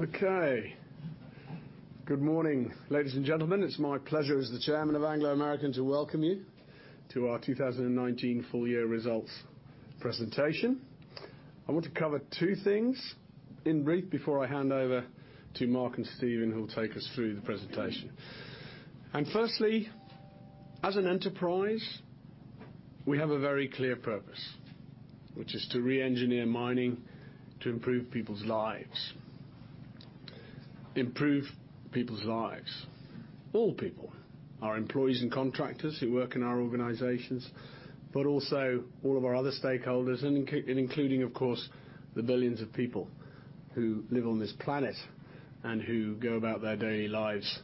Okay. Good morning, ladies and gentlemen. It's my pleasure as the chairman of Anglo American to welcome you to our 2019 full year results presentation. I want to cover two things in brief before I hand over to Mark and Stephen, who'll take us through the presentation. Firstly, as an enterprise, we have a very clear purpose, which is to re-engineer mining, to improve people's lives. Improve people's lives, all people. Our employees and contractors who work in our organizations, but also all of our other stakeholders and including, of course, the billions of people who live on this planet and who go about their daily lives,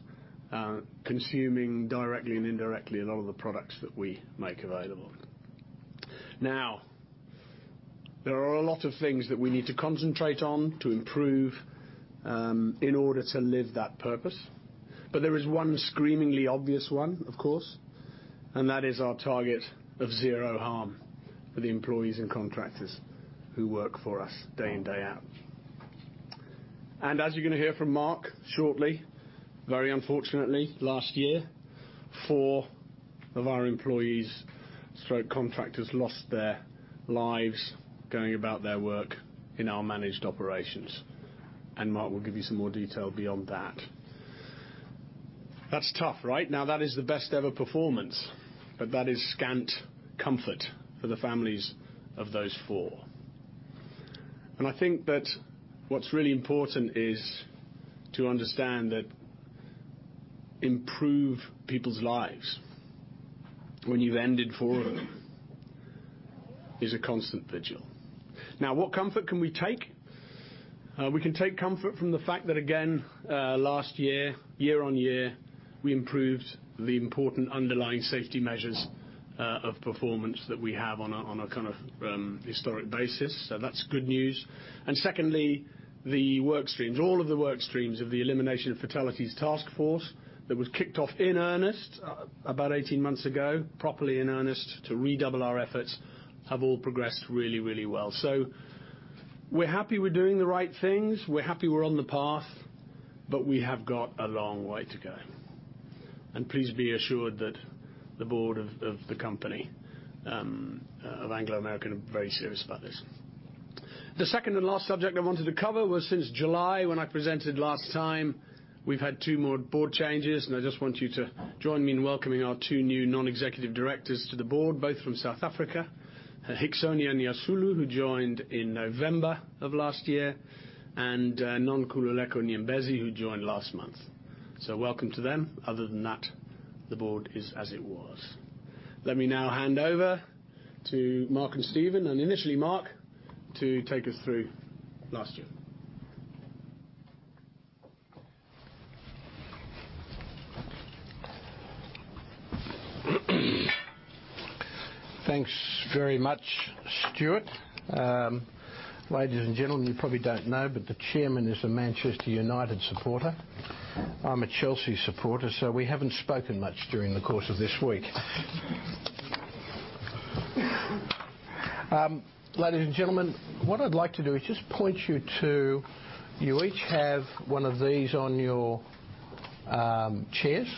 consuming directly and indirectly a lot of the products that we make available. Now, there are a lot of things that we need to concentrate on to improve, in order to live that purpose. There is one screamingly obvious one, of course, and that is our target of zero harm for the employees and contractors who work for us day in, day out. As you're going to hear from Mark shortly, very unfortunately, last year, four of our employees/contractors lost their lives going about their work in our managed operations. Mark will give you some more detail beyond that. That's tough right now. That is the best ever performance. That is scant comfort for the families of those four. I think that what's really important is to understand that improve people's lives when you've ended four of them is a constant vigil. What comfort can we take? We can take comfort from the fact that again, last year on year, we improved the important underlying safety measures of performance that we have on a kind of historic basis. That's good news. Secondly, the work streams, all of the work streams of the Elimination of Fatalities task force that was kicked off in earnest about 18 months ago, properly in earnest to redouble our efforts have all progressed really well. We're happy we're doing the right things. We're happy we're on the path, but we have got a long way to go. Please be assured that the board of the company, of Anglo American, are very serious about this. The second and last subject I wanted to cover was since July, when I presented last time, we've had two more board changes, and I just want you to join me in welcoming our two new non-executive directors to the board, both from South Africa. Hixonia Nyasulu, who joined in November of last year, and Nonkululeko Nyembezi, who joined last month. Welcome to them. Other than that, the board is as it was. Let me now hand over to Mark and Stephen, and initially Mark Cutifani, to take us through last year. Thanks very much, Stuart. Ladies and gentlemen, you probably don't know, but the chairman is a Manchester United supporter. I'm a Chelsea supporter, so we haven't spoken much during the course of this week. Ladies and gentlemen, what I'd like to do is just point you to. You each have one of these on your chairs,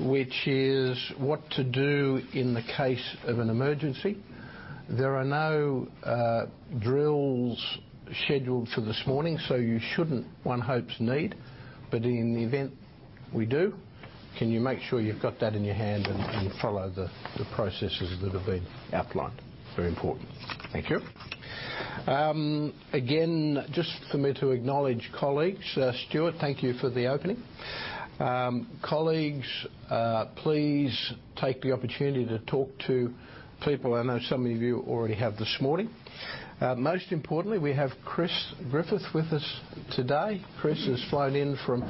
which is what to do in the case of an emergency. There are no drills scheduled for this morning, so you shouldn't, one hopes, need, but in the event we do, can you make sure you've got that in your hand and follow the processes that have been outlined. Very important. Thank you. Again, just for me to acknowledge colleagues. Stuart, thank you for the opening. Colleagues, please take the opportunity to talk to people. I know some of you already have this morning. Most importantly, we have Chris Griffith with us today. Chris has flown in from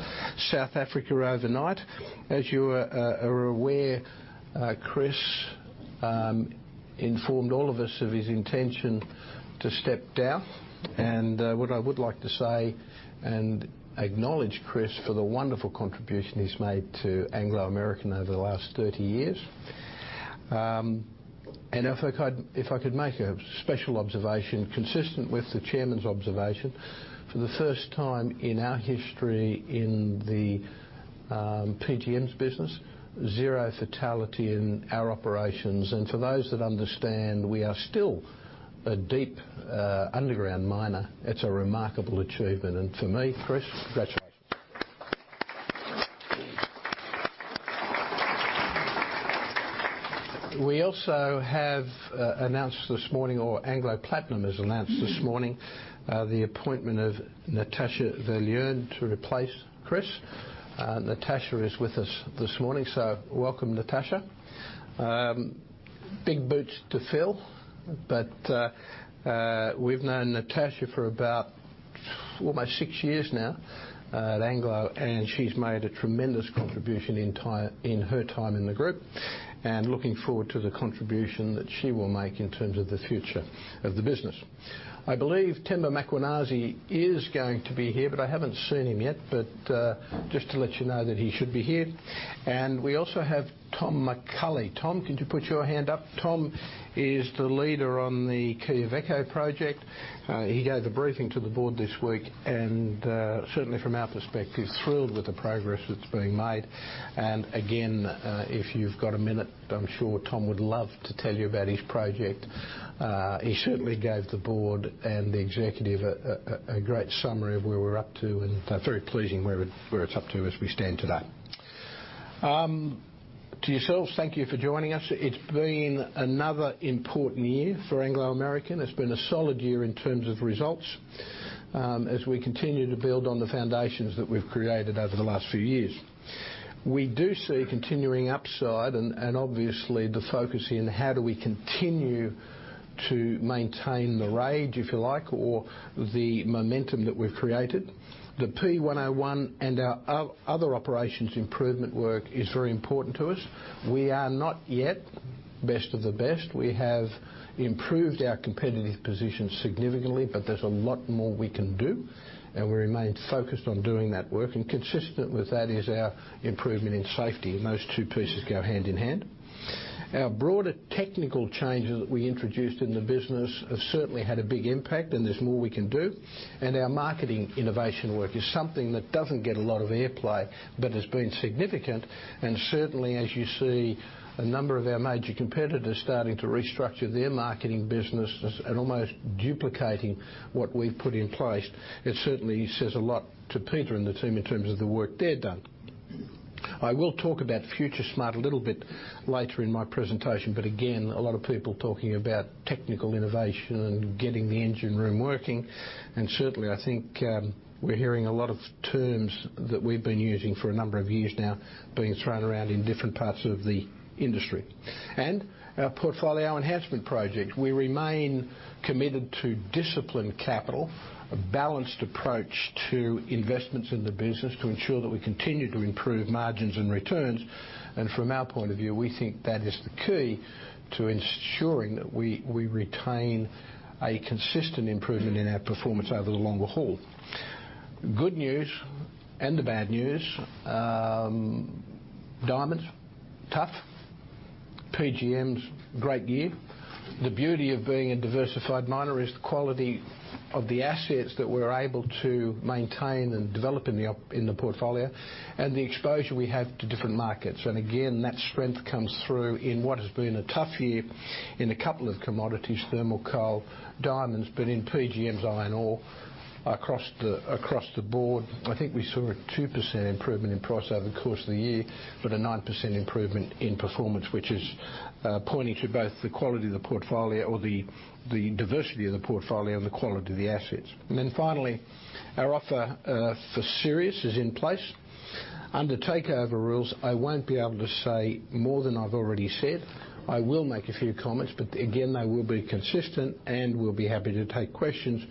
South Africa overnight. As you are aware, Chris informed all of us of his intention to step down. What I would like to say and acknowledge Chris for the wonderful contribution he's made to Anglo American over the last 30 years. If I could make a special observation consistent with the chairman's observation, for the first time in our history in the platinum group metals business, zero fatality in our operations. For those that understand, we are still a deep underground miner. It's a remarkable achievement. For me, Chris, congratulations. We also have announced this morning or Anglo Platinum has announced this morning, the appointment of Natasha Viljoen to replace Chris. Natascha is with us this morning. Welcome, Natasha. Big boots to fill, but we've known Natascha for Almost six years now at Anglo, she's made a tremendous contribution in her time in the group. Looking forward to the contribution that she will make in terms of the future of the business. I believe Themba Mkhwanazi is going to be here, I haven't seen him yet. Just to let you know that he should be here. We also have Tom McCulley. Tom, could you put your hand up? Tom is the leader on the Quellaveco project. He gave a briefing to the board this week, certainly from our perspective, thrilled with the progress that's being made. Again, if you've got a minute, I'm sure Tom would love to tell you about his project. He certainly gave the board and the executive a great summary of where we're up to, and very pleasing where it's up to as we stand today. To yourselves, thank you for joining us. It's been another important year for Anglo American. It's been a solid year in terms of results as we continue to build on the foundations that we've created over the last few years. We do see continuing upside and obviously the focus in how do we continue to maintain the rage, if you like, or the momentum that we've created. The P101 and our other operations improvement work is very important to us. We are not yet best of the best. We have improved our competitive position significantly, but there's a lot more we can do, and we remain focused on doing that work. Consistent with that is our improvement in safety, and those two pieces go hand in hand. Our broader technical changes that we introduced in the business have certainly had a big impact, and there's more we can do. Our marketing innovation work is something that doesn't get a lot of airplay but has been significant. Certainly as you see a number of our major competitors starting to restructure their marketing business and almost duplicating what we've put in place, it certainly says a lot to Peter and the team in terms of the work they've done. I will talk about FutureSmart a little bit later in my presentation. Again, a lot of people talking about technical innovation and getting the engine room working. Certainly I think we're hearing a lot of terms that we've been using for a number of years now being thrown around in different parts of the industry. Our portfolio enhancement project. We remain committed to disciplined capital, a balanced approach to investments in the business to ensure that we continue to improve margins and returns. From our point of view, we think that is the key to ensuring that we retain a consistent improvement in our performance over the longer haul. Good news and the bad news. Diamonds, tough. PGMs, great year. The beauty of being a diversified miner is the quality of the assets that we're able to maintain and develop in the portfolio and the exposure we have to different markets. Again, that strength comes through in what has been a tough year in a couple of commodities, thermal coal, diamonds. In PGMs, iron ore, across the board, I think we saw a 2% improvement in price over the course of the year, but a 9% improvement in performance, which is pointing to both the quality of the portfolio or the diversity of the portfolio and the quality of the assets. Finally, our offer for Sirius is in place. Under takeover rules, I won't be able to say more than I've already said. I will make a few comments, but again, they will be consistent, and we'll be happy to take questions.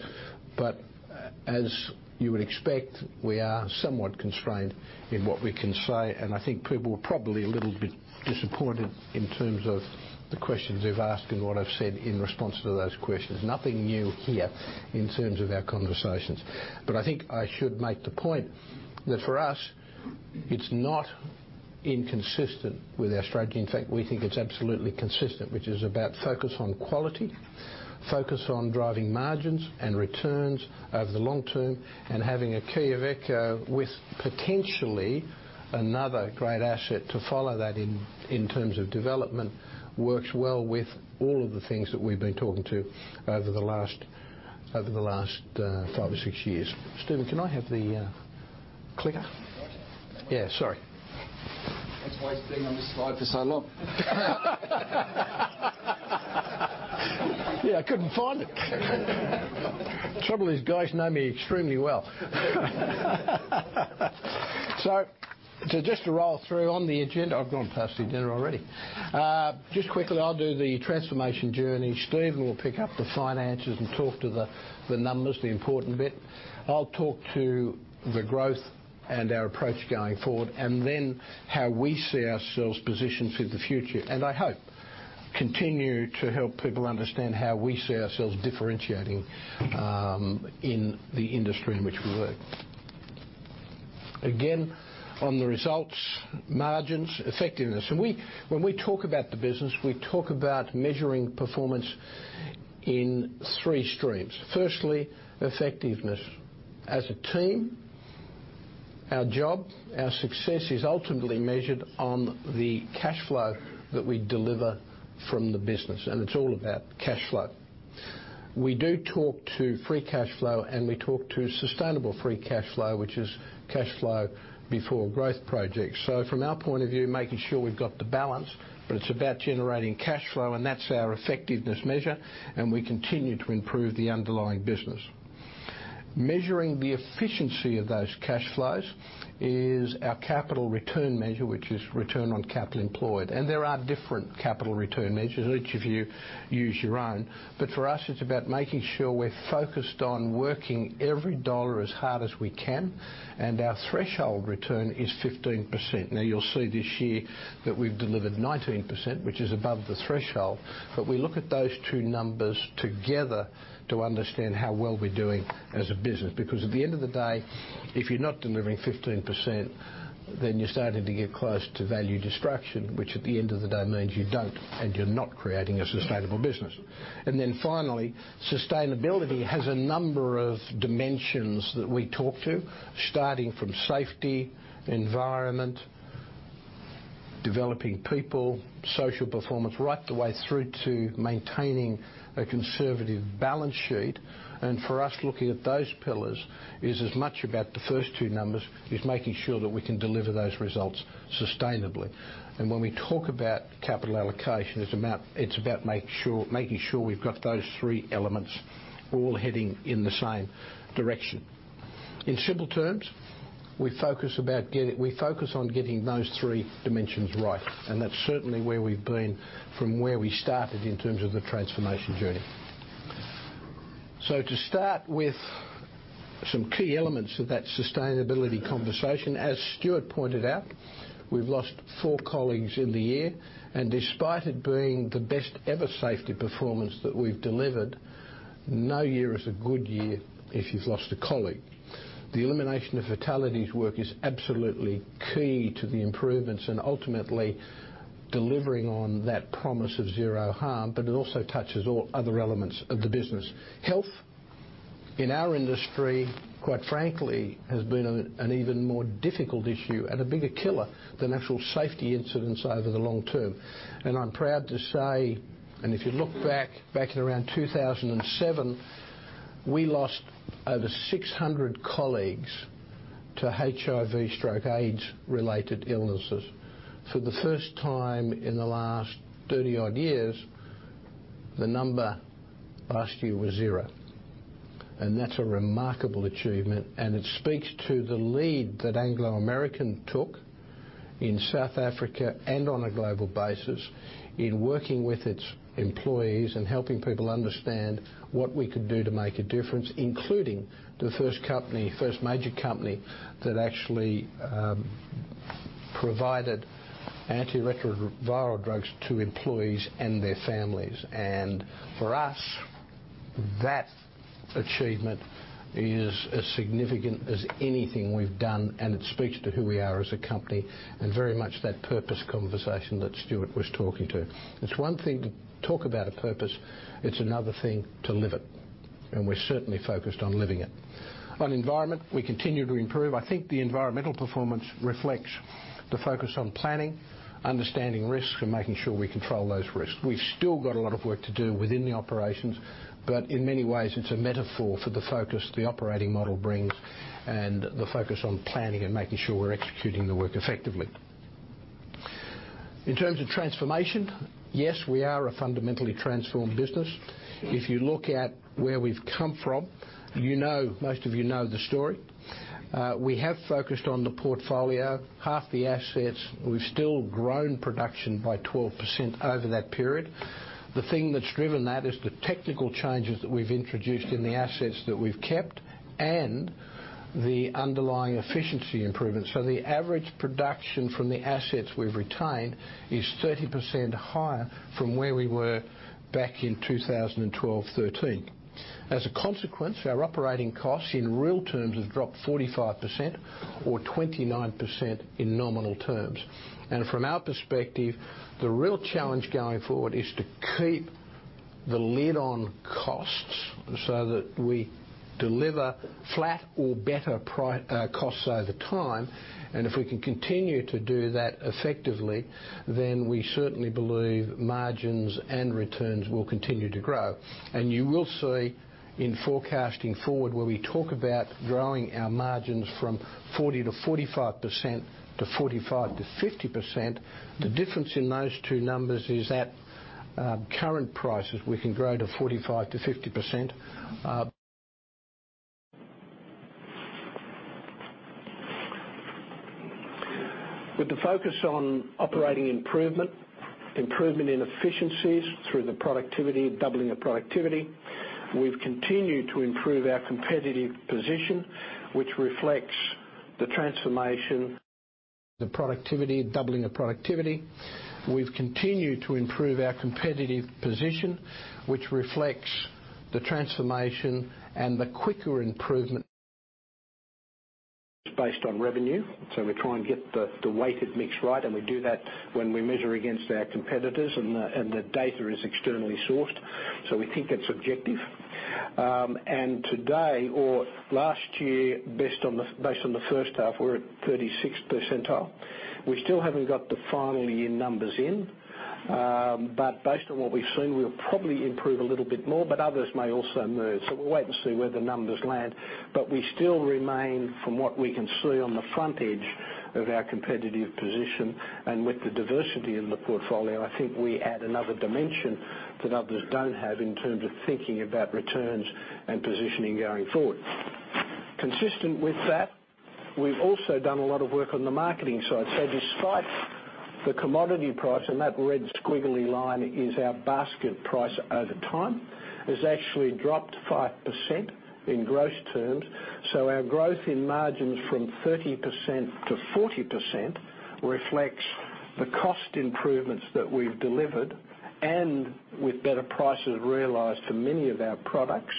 As you would expect, we are somewhat constrained in what we can say, and I think people were probably a little bit disappointed in terms of the questions they've asked and what I've said in response to those questions. Nothing new here in terms of our conversations. I think I should make the point that for us, it's not inconsistent with our strategy. In fact, we think it's absolutely consistent, which is about focus on quality, focus on driving margins and returns over the long term, and having a Quellaveco with potentially another great asset to follow that in terms of development works well with all of the things that we've been talking to over the last five or six years. Stephen, can I have the clicker? Gotcha. Yeah, sorry. That's why it's been on the slide for so long. Yeah, I couldn't find it. Trouble is, guys know me extremely well. Just to roll through on the agenda. I've gone past the agenda already. Just quickly, I'll do the transformation journey. Stephen will pick up the finances and talk to the numbers, the important bit. I'll talk to the growth and our approach going forward, then how we see ourselves positioned for the future. I hope continue to help people understand how we see ourselves differentiating in the industry in which we work. Again, on the results, margins, effectiveness. When we talk about the business, we talk about measuring performance in three streams. Firstly, effectiveness. As a team, our job, our success is ultimately measured on the cash flow that we deliver from the business. It's all about cash flow. We do talk to free cash flow, and we talk to sustainable free cash flow, which is cash flow before growth projects. From our point of view, making sure we've got the balance, but it's about generating cash flow, and that's our effectiveness measure. We continue to improve the underlying business. Measuring the efficiency of those cash flows is our capital return measure, which is return on capital employed. There are different capital return measures. Each of you use your own. For us, it's about making sure we're focused on working every dollar as hard as we can, and our threshold return is 15%. You'll see this year that we've delivered 19%, which is above the threshold. We look at those two numbers together to understand how well we're doing as a business, because at the end of the day, if you're not delivering 15%, then you're starting to get close to value destruction, which at the end of the day means you're not creating a sustainable business. Finally, sustainability has a number of dimensions that we talk to, starting from safety, environment, developing people, social performance, right the way through to maintaining a conservative balance sheet. For us, looking at those pillars is as much about the first two numbers, is making sure that we can deliver those results sustainably. When we talk about capital allocation, it's about making sure we've got those three elements all heading in the same direction. In simple terms, we focus on getting those three dimensions right, and that's certainly where we've been from where we started in terms of the transformation journey. To start with some key elements of that sustainability conversation, as Stuart pointed out, we've lost four colleagues in the year. Despite it being the best-ever safety performance that we've delivered, no year is a good year if you've lost a colleague. The Elimination of Fatalities work is absolutely key to the improvements and ultimately delivering on that promise of zero harm, it also touches all other elements of the business. Health, in our industry, quite frankly, has been an even more difficult issue and a bigger killer than actual safety incidents over the long term. I'm proud to say, if you look back in around 2007, we lost over 600 colleagues to HIV/AIDS-related illnesses. For the first time in the last 30-odd years, the number last year was zero. That's a remarkable achievement, and it speaks to the lead that Anglo American took in South Africa and on a global basis in working with its employees and helping people understand what we could do to make a difference, including the first major company that actually provided antiretroviral drugs to employees and their families. For us, that achievement is as significant as anything we've done, and it speaks to who we are as a company and very much that purpose conversation that Stuart was talking to. It's one thing to talk about a purpose, it's another thing to live it, and we're certainly focused on living it. On environment, we continue to improve. I think the environmental performance reflects the focus on planning, understanding risks, and making sure we control those risks. We've still got a lot of work to do within the operations, but in many ways, it's a metaphor for the focus the operating model brings and the focus on planning and making sure we're executing the work effectively. In terms of transformation, yes, we are a fundamentally transformed business. If you look at where we've come from, most of you know the story. We have focused on the portfolio, half the assets. We've still grown production by 12% over that period. The thing that's driven that is the technical changes that we've introduced in the assets that we've kept and the underlying efficiency improvements. The average production from the assets we've retained is 30% higher from where we were back in 2012-2013. As a consequence, our operating costs in real terms have dropped 45%, or 29% in nominal terms. From our perspective, the real challenge going forward is to keep the lid on costs so that we deliver flat or better costs over time. If we can continue to do that effectively, then we certainly believe margins and returns will continue to grow. You will see in forecasting forward where we talk about growing our margins from 40%-45%, to 45%-50%, the difference in those two numbers is at current prices, we can grow to 45%-50%. With the focus on operating improvement in efficiencies through the productivity, doubling of productivity, we've continued to improve our competitive position, which reflects the transformation and the quicker improvement based on revenue. We try and get the weighted mix right, and we do that when we measure against our competitors and the data is externally sourced. We think that's objective. Today or last year, based on the first half, we're at 36th percentile. We still haven't got the final year numbers in. Based on what we've seen, we'll probably improve a little bit more, but others may also move. We'll wait and see where the numbers land. We still remain, from what we can see on the front edge of our competitive position, and with the diversity in the portfolio, I think we add another dimension that others don't have in terms of thinking about returns and positioning going forward. Consistent with that, we've also done a lot of work on the marketing side. Despite the commodity price, and that red squiggly line is our basket price over time, has actually dropped 5% in gross terms. Our growth in margins from 30% to 40% reflects the cost improvements that we've delivered, and with better prices realized for many of our products,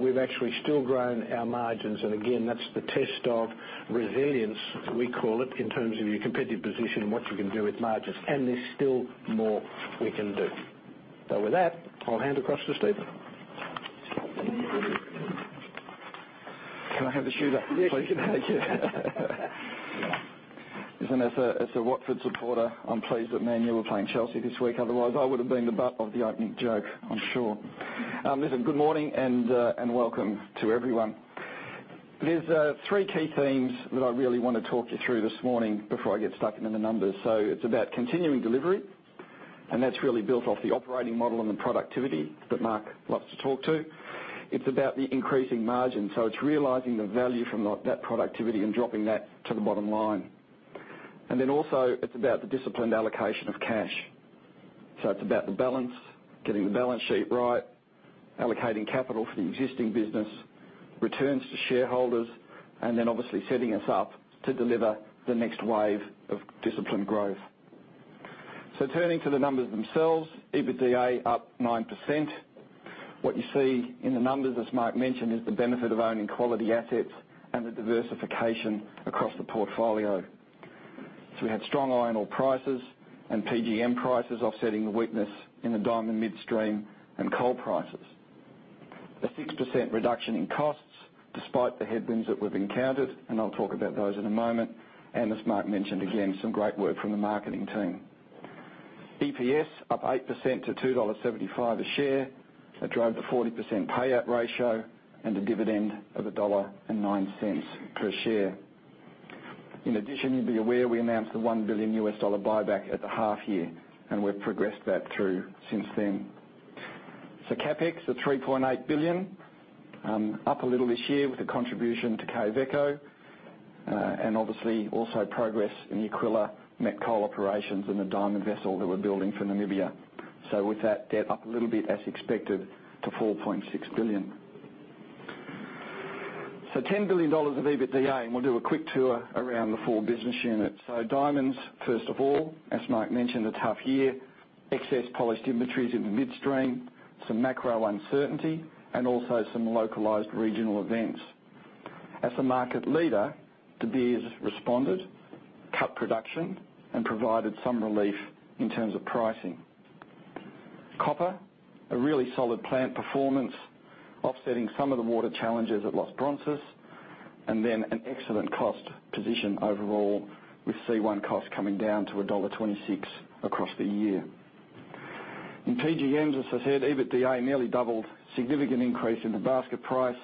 we've actually still grown our margins. Again, that's the test of resilience, we call it, in terms of your competitive position and what you can do with margins. There's still more we can do. With that, I'll hand across to Stephen Pearce. Can I have the shoe back, please? Yes, you can. Thank you. Listen, as a Watford supporter, I'm pleased that Manchester United are playing Chelsea this week, otherwise I would've been the butt of the opening joke, I'm sure. Listen, good morning and welcome to everyone. There's three key themes that I really want to talk you through this morning before I get stuck into the numbers. It's about continuing delivery, and that's really built off the operating model and the productivity that Mark loves to talk to. It's about the increasing margin. It's realizing the value from that productivity and dropping that to the bottom line. It's about the disciplined allocation of cash. It's about the balance, getting the balance sheet right, allocating capital for the existing business, returns to shareholders, and then obviously setting us up to deliver the next wave of disciplined growth. Turning to the numbers themselves, EBITDA up 9%. What you see in the numbers, as Mark mentioned, is the benefit of owning quality assets and the diversification across the portfolio. We had strong iron ore prices and PGM prices offsetting the weakness in the diamond midstream and coal prices. A 6% reduction in costs, despite the headwinds that we've encountered, and I'll talk about those in a moment. As Mark mentioned, again, some great work from the marketing team. EPS up 8% to $2.75 a share. That drove the 40% payout ratio and a dividend of $1.09 per share. In addition, you'll be aware, we announced the $1 billion U.S. buyback at the half year, and we've progressed that through since then. CapEx of $3.8 billion, up a little this year with a contribution to Quellaveco, and obviously also progress in the Aquila met coal operations and the diamond vessel that we're building for Namibia. With that, debt up a little bit as expected to $4.6 billion. $10 billion of EBITDA, and we'll do a quick tour around the four business units. Diamonds, first of all, as Mark mentioned, a tough year. Excess polished inventories in the midstream, some macro uncertainty, and also some localized regional events. As the market leader, De Beers responded, cut production, and provided some relief in terms of pricing. Copper, a really solid plant performance offsetting some of the water challenges at Los Bronces, and then an excellent cost position overall with C1 costs coming down to $1.26 across the year. In PGMs, as I said, EBITDA nearly doubled. Significant increase in the basket price.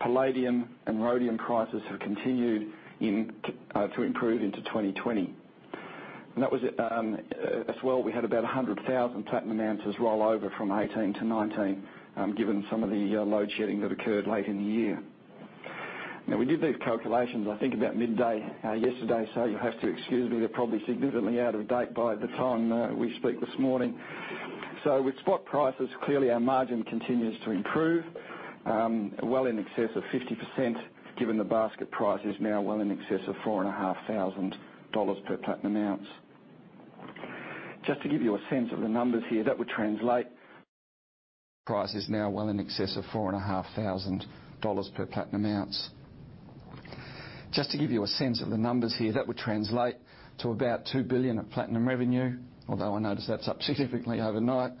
Palladium and rhodium prices have continued to improve into 2020. Well, we had about 100,000 platinum ounces roll over from 2018 to 2019, given some of the load shedding that occurred late in the year. We did these calculations, I think, about midday yesterday, so you'll have to excuse me, they're probably significantly out of date by the time we speak this morning. With spot prices, clearly, our margin continues to improve. Well in excess of 50%, given the basket price is now well in excess of $4,500 per platinum ounce. Just to give you a sense of the numbers here, Price is now well in excess of $4,500 per platinum ounce. Just to give you a sense of the numbers here, that would translate to about $2 billion of platinum revenue, although I notice that's up significantly overnight,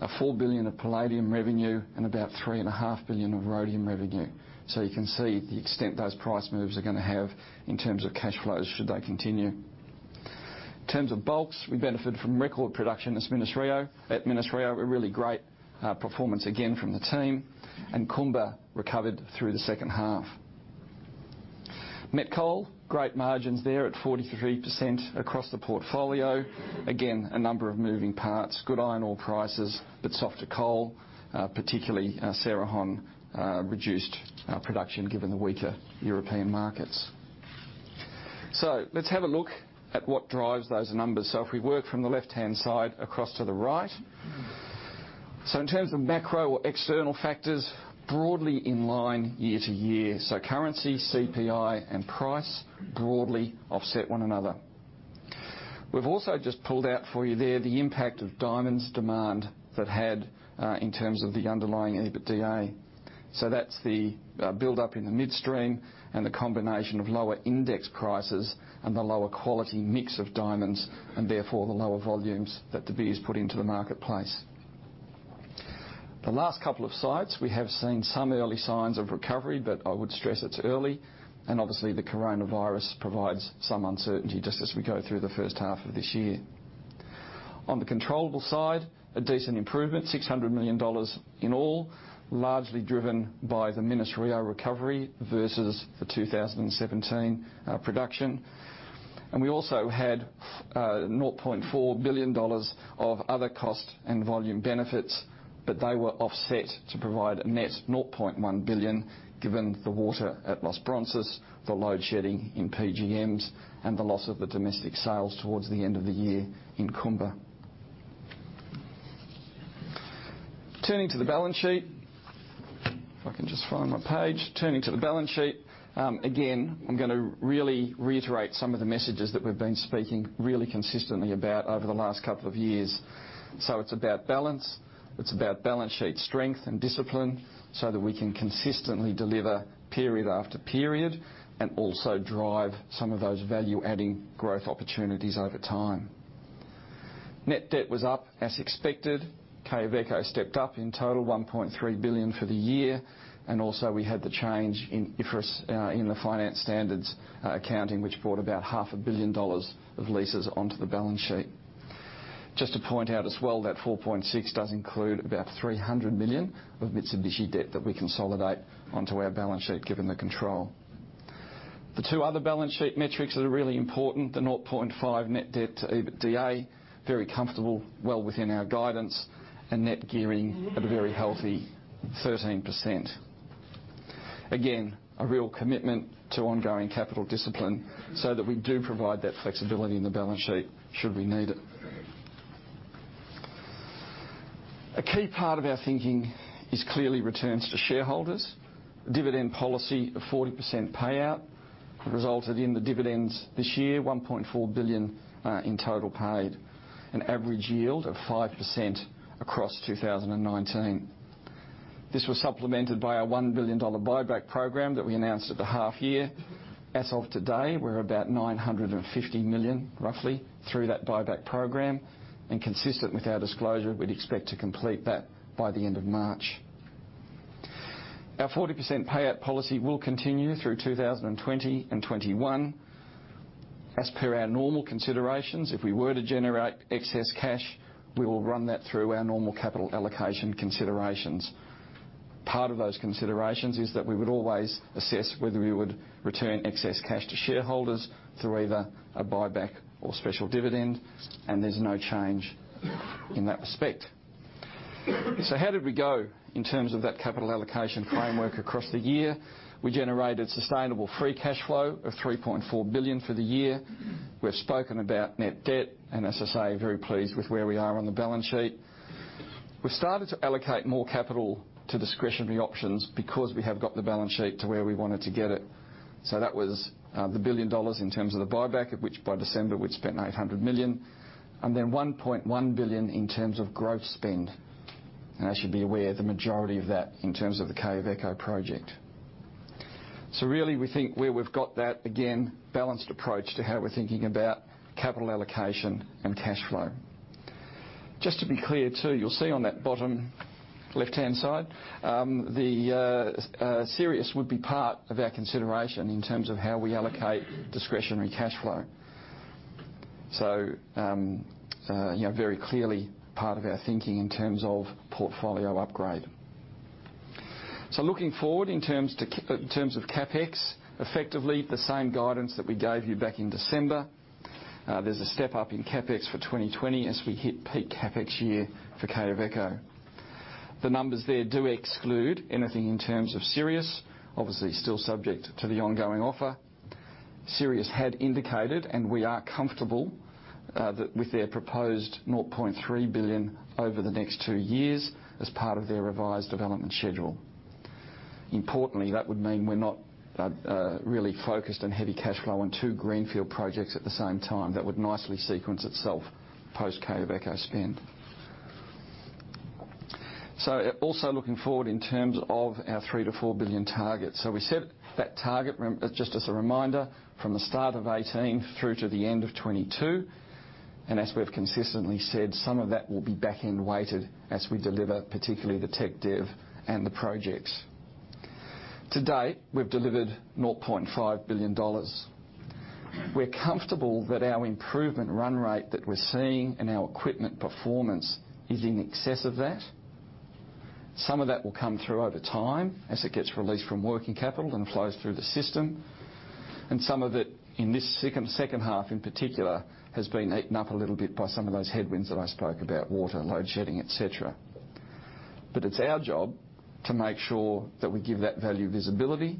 $4 billion of palladium revenue, and about $3.5 billion of rhodium revenue. You can see the extent those price moves are going to have in terms of cash flows should they continue. In terms of bulks, we benefit from record production at Minas-Rio. A really great performance again from the team. Kumba recovered through the second half. Met coal, great margins there at 43% across the portfolio. Again, a number of moving parts. Good iron ore prices, but softer coal, particularly Cerrejón reduced production given the weaker European markets. Let's have a look at what drives those numbers. If we work from the left-hand side across to the right. In terms of macro or external factors, broadly in line year-over-year. Currency, consumer price index, and price broadly offset one another. We've also just pulled out for you there the impact of diamonds demand that had in terms of the underlying EBITDA. That's the buildup in the midstream and the combination of lower index prices and the lower quality mix of diamonds, and therefore the lower volumes that De Beers put into the marketplace. The last couple of slides, we have seen some early signs of recovery, but I would stress it's early, and obviously, the coronavirus provides some uncertainty just as we go through the first half of this year. On the controllable side, a decent improvement, $600 million in all, largely driven by the Minas-Rio recovery versus the 2017 production. We also had $0.4 billion of other cost and volume benefits, but they were offset to provide a net $0.1 billion, given the water at Los Bronces, the load shedding in PGMs, and the loss of the domestic sales towards the end of the year in Kumba. Turning to the balance sheet. If I can just find my page. Turning to the balance sheet. Again, I'm going to really reiterate some of the messages that we've been speaking really consistently about over the last couple of years. It's about balance. It's about balance sheet strength and discipline, so that we can consistently deliver period after period, and also drive some of those value-adding growth opportunities over time. Net debt was up as expected. Codelco stepped up in total $1.3 billion for the year. We had the change in IFRS in the finance standards accounting, which brought about half a billion dollars of leases onto the balance sheet. Just to point out as well, that $4.6 does include about $300 million of Mitsubishi debt that we consolidate onto our balance sheet, given the control. The two other balance sheet metrics that are really important, the 0.5 net debt to EBITDA, very comfortable, well within our guidance, and net gearing at a very healthy 13%. A real commitment to ongoing capital discipline. We do provide that flexibility in the balance sheet should we need it. A key part of our thinking is clearly returns to shareholders. Dividend policy of 40% payout resulted in the dividends this year, $1.4 billion in total paid, an average yield of 5% across 2019. This was supplemented by a $1 billion buyback program that we announced at the half year. As of today, we're about $950 million, roughly, through that buyback program. Consistent with our disclosure, we'd expect to complete that by the end of March. Our 40% payout policy will continue through 2020 and 2021. As per our normal considerations, if we were to generate excess cash, we will run that through our normal capital allocation considerations. Part of those considerations is that we would always assess whether we would return excess cash to shareholders through either a buyback or special dividend, there's no change in that respect. How did we go in terms of that capital allocation framework across the year? We generated sustainable free cash flow of $3.4 billion for the year. We've spoken about net debt, and as I say, very pleased with where we are on the balance sheet. We've started to allocate more capital to discretionary options because we have got the balance sheet to where we wanted to get it. That was the $1 billion in terms of the buyback, of which by December, we'd spent $800 million. Then $1.1 billion in terms of growth spend. As you'd be aware, the majority of that in terms of the Quellaveco project. Really, we think where we've got that, again, balanced approach to how we're thinking about capital allocation and cash flow. Just to be clear, too, you'll see on that bottom left-hand side, the Sirius would be part of our consideration in terms of how we allocate discretionary cash flow. Very clearly part of our thinking in terms of portfolio upgrade. Looking forward in terms of CapEx, effectively the same guidance that we gave you back in December. There's a step up in CapEx for 2020 as we hit peak CapEx year for Quellaveco. The numbers there do exclude anything in terms of Sirius, obviously still subject to the ongoing offer. Sirius had indicated, and we are comfortable, that with their proposed $0.3 billion over the next two years as part of their revised development schedule. Importantly, that would mean we're not really focused on heavy cash flow on two greenfield projects at the same time. That would nicely sequence itself post-Quellaveco spend. Also looking forward in terms of our $3 billion-$4 billion target. We set that target, just as a reminder, from the start of 2018 through to the end of 2022. As we've consistently said, some of that will be back-end weighted as we deliver, particularly the tech dev and the projects. To date, we've delivered $0.5 billion. We're comfortable that our improvement run rate that we're seeing in our equipment performance is in excess of that. Some of that will come through over time as it gets released from working capital and flows through the system. Some of it, in this second half in particular, has been eaten up a little bit by some of those headwinds that I spoke about, water, load shedding, et cetera. It's our job to make sure that we give that value visibility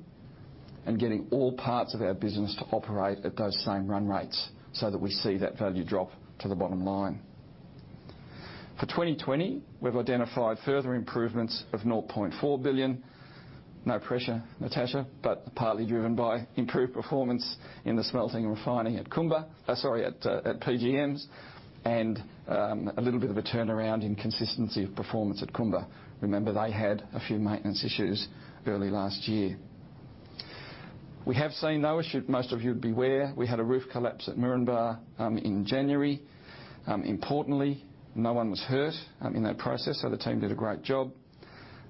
and getting all parts of our business to operate at those same run rates so that we see that value drop to the bottom line. For 2020, we've identified further improvements of $0.4 billion. No pressure, Natascha, but partly driven by improved performance in the smelting and refining at Kumba, sorry, at PGMs, and a little bit of a turnaround in consistency of performance at Kumba. Remember, they had a few maintenance issues early last year. We have seen, most of you would be aware, we had a roof collapse at Moranbah in January. Importantly, no one was hurt in that process, so the team did a great job.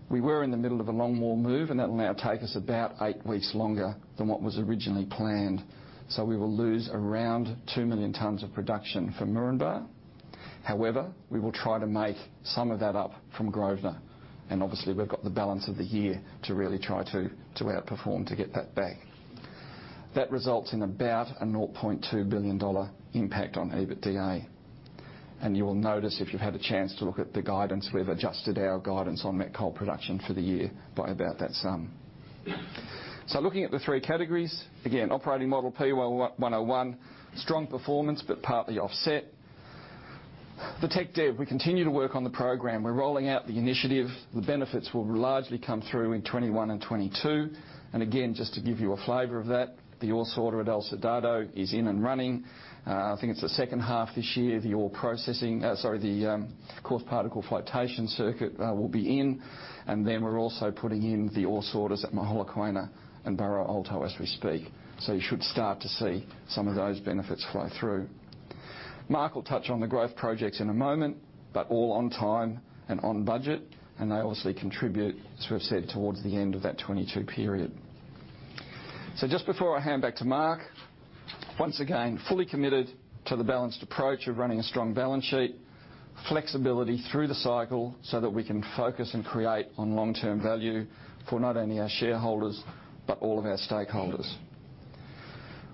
We were in the middle of a long wall move, and that'll now take us about eight weeks longer than what was originally planned. We will lose around 2 million tonnes of production for Moranbah. However, we will try to make some of that up from Grosvenor. Obviously, we've got the balance of the year to really try to outperform to get that back. That results in about a $0.2 billion impact on EBITDA. You will notice, if you've had a chance to look at the guidance, we've adjusted our guidance on met coal production for the year by about that sum. Looking at the three categories, again, operating model P101, strong performance, but partly offset. The technology development, we continue to work on the program. We're rolling out the initiative. The benefits will largely come through in 2021 and 2022. Again, just to give you a flavor of that, the ore sorter at El Soldado is in and running. I think it's the second half this year, sorry, the coarse particle flotation circuit will be in. Then we're also putting in the ore sorters at Majalcaína and Barro Alto as we speak. You should start to see some of those benefits flow through. Mark will touch on the growth projects in a moment, but all on time and on budget. They obviously contribute, as we've said, towards the end of that 2022 period. Just before I hand back to Mark, once again, fully committed to the balanced approach of running a strong balance sheet. Flexibility through the cycle so that we can focus and create on long-term value for not only our shareholders, but all of our stakeholders.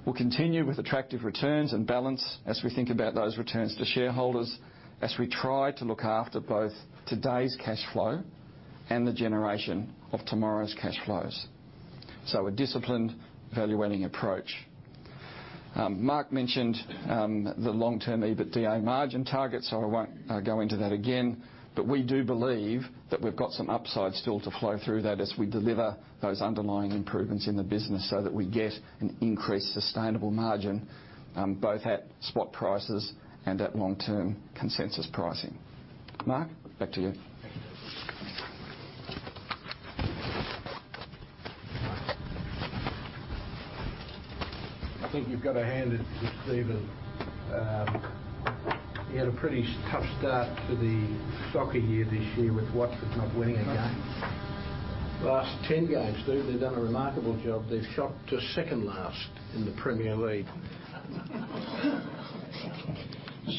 We'll continue with attractive returns and balance as we think about those returns to shareholders, as we try to look after both today's cash flow and the generation of tomorrow's cash flows. A disciplined value-adding approach. Mark mentioned the long-term EBITDA margin target, so I won't go into that again. We do believe that we've got some upside still to flow through that as we deliver those underlying improvements in the business so that we get an increased sustainable margin both at spot prices and at long-term consensus pricing. Mark, back to you. Thank you. I think you've got to hand it to Stephen. He had a pretty tough start to the soccer year this year with Watford not winning a game. Last 10 games, they've done a remarkable job. They've shot to second last in the Premier League.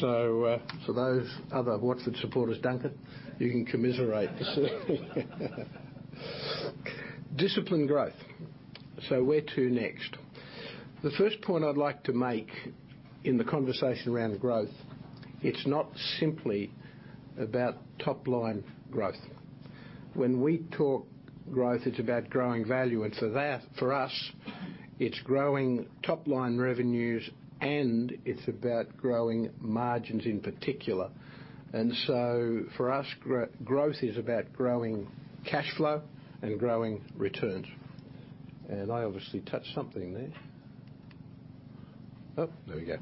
For those other Watford supporters, Duncan, you can commiserate. Disciplined growth. Where to next? The first point I'd like to make in the conversation around growth, it's not simply about top-line growth. When we talk growth, it's about growing value. For us, it's growing top-line revenues and it's about growing margins in particular. For us, growth is about growing cash flow and growing returns. I obviously touched something there. Oh, there we go.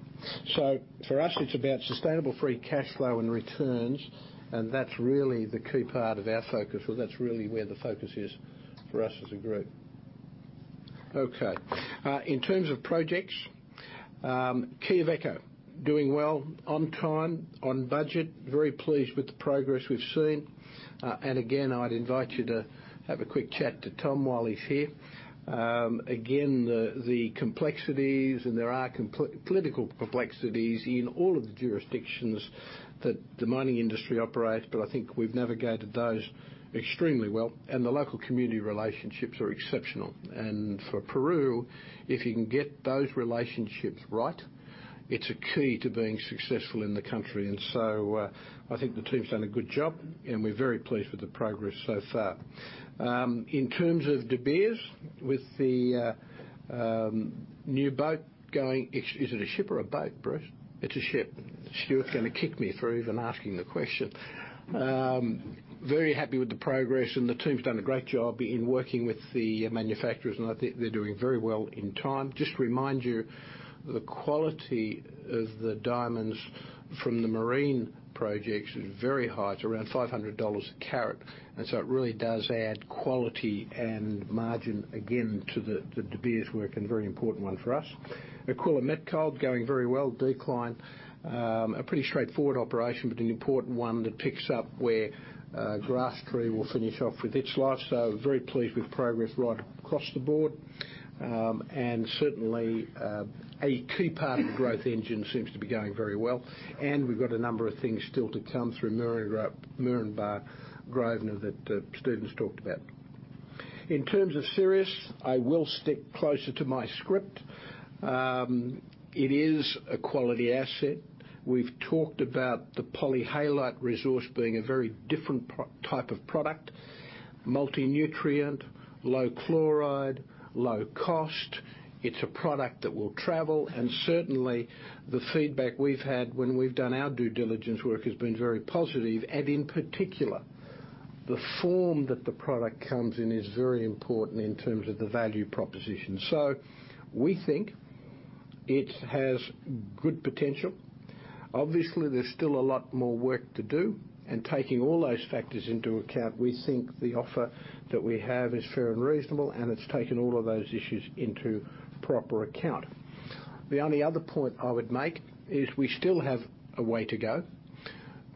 For us, it's about sustainable free cash flow and returns, and that's really the key part of our focus. That's really where the focus is for us as a group. Okay. In terms of projects, Quellaveco doing well, on time, on budget. Very pleased with the progress we've seen. I'd invite you to have a quick chat to Tom while he's here. The complexities, and there are political complexities in all of the jurisdictions that the mining industry operates, but I think we've navigated those extremely well. The local community relationships are exceptional. For Peru, if you can get those relationships right, it's a key to being successful in the country. I think the team's done a good job, and we're very pleased with the progress so far. In terms of De Beers, with the new boat. Is it a ship or a boat, Bruce? It's a ship. Stuart's going to kick me for even asking the question. Very happy with the progress. The team's done a great job in working with the manufacturers. I think they're doing very well in time. Just to remind you, the quality of the diamonds from the marine projects is very high. It's around $500 a carat. It really does add quality and margin, again, to the De Beers work and a very important one for us. Aquila Met Coal going very well. Decline. A pretty straightforward operation, but an important one that picks up where Grasstree will finish off with its life. Very pleased with progress right across the board. Certainly, a key part of the growth engine seems to be going very well. We've got a number of things still to come through Moranbah, Grosvenor, that Stephen's talked about. In terms of Sirius, I will stick closer to my script. It is a quality asset. We've talked about the polyhalite resource being a very different type of product. Multinutrient, low chloride, low cost. It's a product that will travel. Certainly, the feedback we've had when we've done our due diligence work has been very positive. In particular, the form that the product comes in is very important in terms of the value proposition. We think it has good potential. Obviously, there's still a lot more work to do. Taking all those factors into account, we think the offer that we have is fair and reasonable, and it's taken all of those issues into proper account. The only other point I would make is we still have a way to go.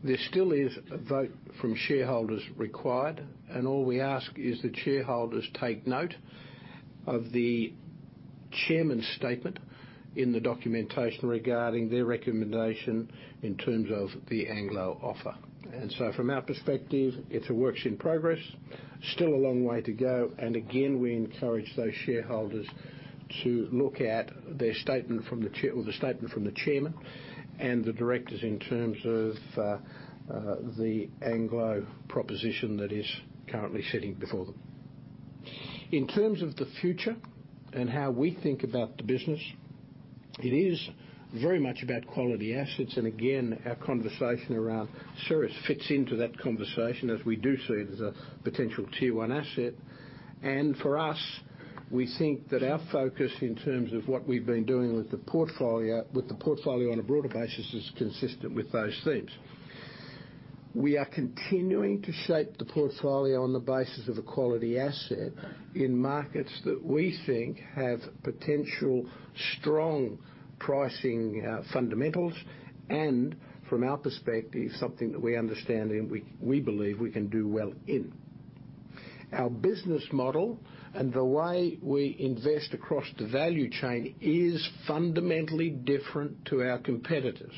There still is a vote from shareholders required. All we ask is that shareholders take note of the chairman's statement in the documentation regarding their recommendation in terms of the Anglo offer. From our perspective, it's a work in progress. Still a long way to go, and again, we encourage those shareholders to look at the statement from the chairman and the directors in terms of the Anglo proposition that is currently sitting before them. In terms of the future and how we think about the business, it is very much about quality assets. Again, our conversation around Sirius fits into that conversation as we do see it as a potential Tier 1 asset. For us, we think that our focus in terms of what we've been doing with the portfolio on a broader basis is consistent with those themes. We are continuing to shape the portfolio on the basis of a quality asset in markets that we think have potential strong pricing fundamentals, and from our perspective, something that we understand and we believe we can do well in. Our business model and the way we invest across the value chain is fundamentally different to our competitors.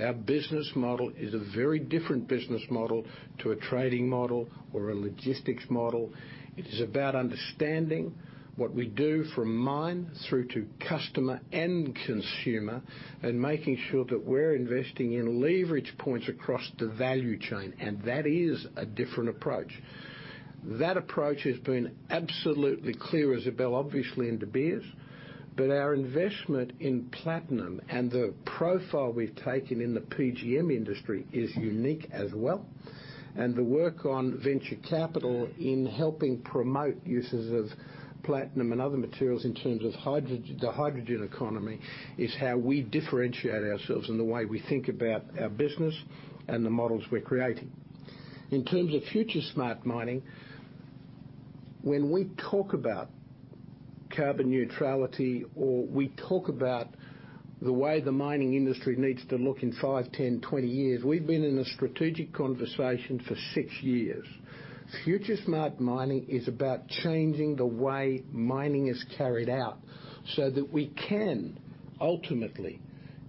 Our business model is a very different business model to a trading model or a logistics model. It is about understanding what we do from mine through to customer and consumer and making sure that we're investing in leverage points across the value chain, and that is a different approach. That approach has been absolutely clear as a bell, obviously, in De Beers, but our investment in platinum and the profile we've taken in the PGM industry is unique as well. The work on venture capital in helping promote uses of platinum and other materials in terms of the hydrogen economy is how we differentiate ourselves and the way we think about our business and the models we're creating. In terms of FutureSmart Mining, when we talk about carbon neutrality, or we talk about the way the mining industry needs to look in five, 10, 20 years, we've been in a strategic conversation for six years. FutureSmart Mining is about changing the way mining is carried out so that we can ultimately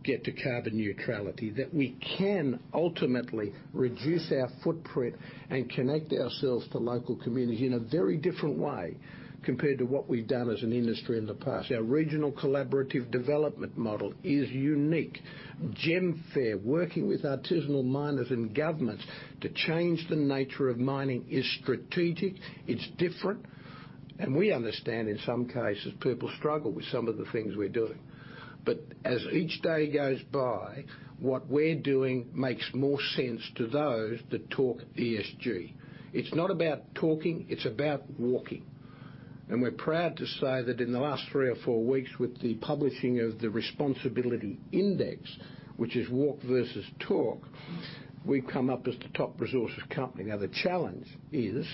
get to carbon neutrality, that we can ultimately reduce our footprint and connect ourselves to local communities in a very different way compared to what we've done as an industry in the past. Our regional collaborative development model is unique. GemFair working with artisanal miners and governments to change the nature of mining is strategic, it's different, and we understand, in some cases, people struggle with some of the things we're doing. As each day goes by, what we're doing makes more sense to those that talk environmental, social, and governance. It's not about talking, it's about walking. We're proud to say that in the last three or four weeks with the publishing of the responsibility index, which is walk versus talk, we've come up as the top resources company. Now, the challenge is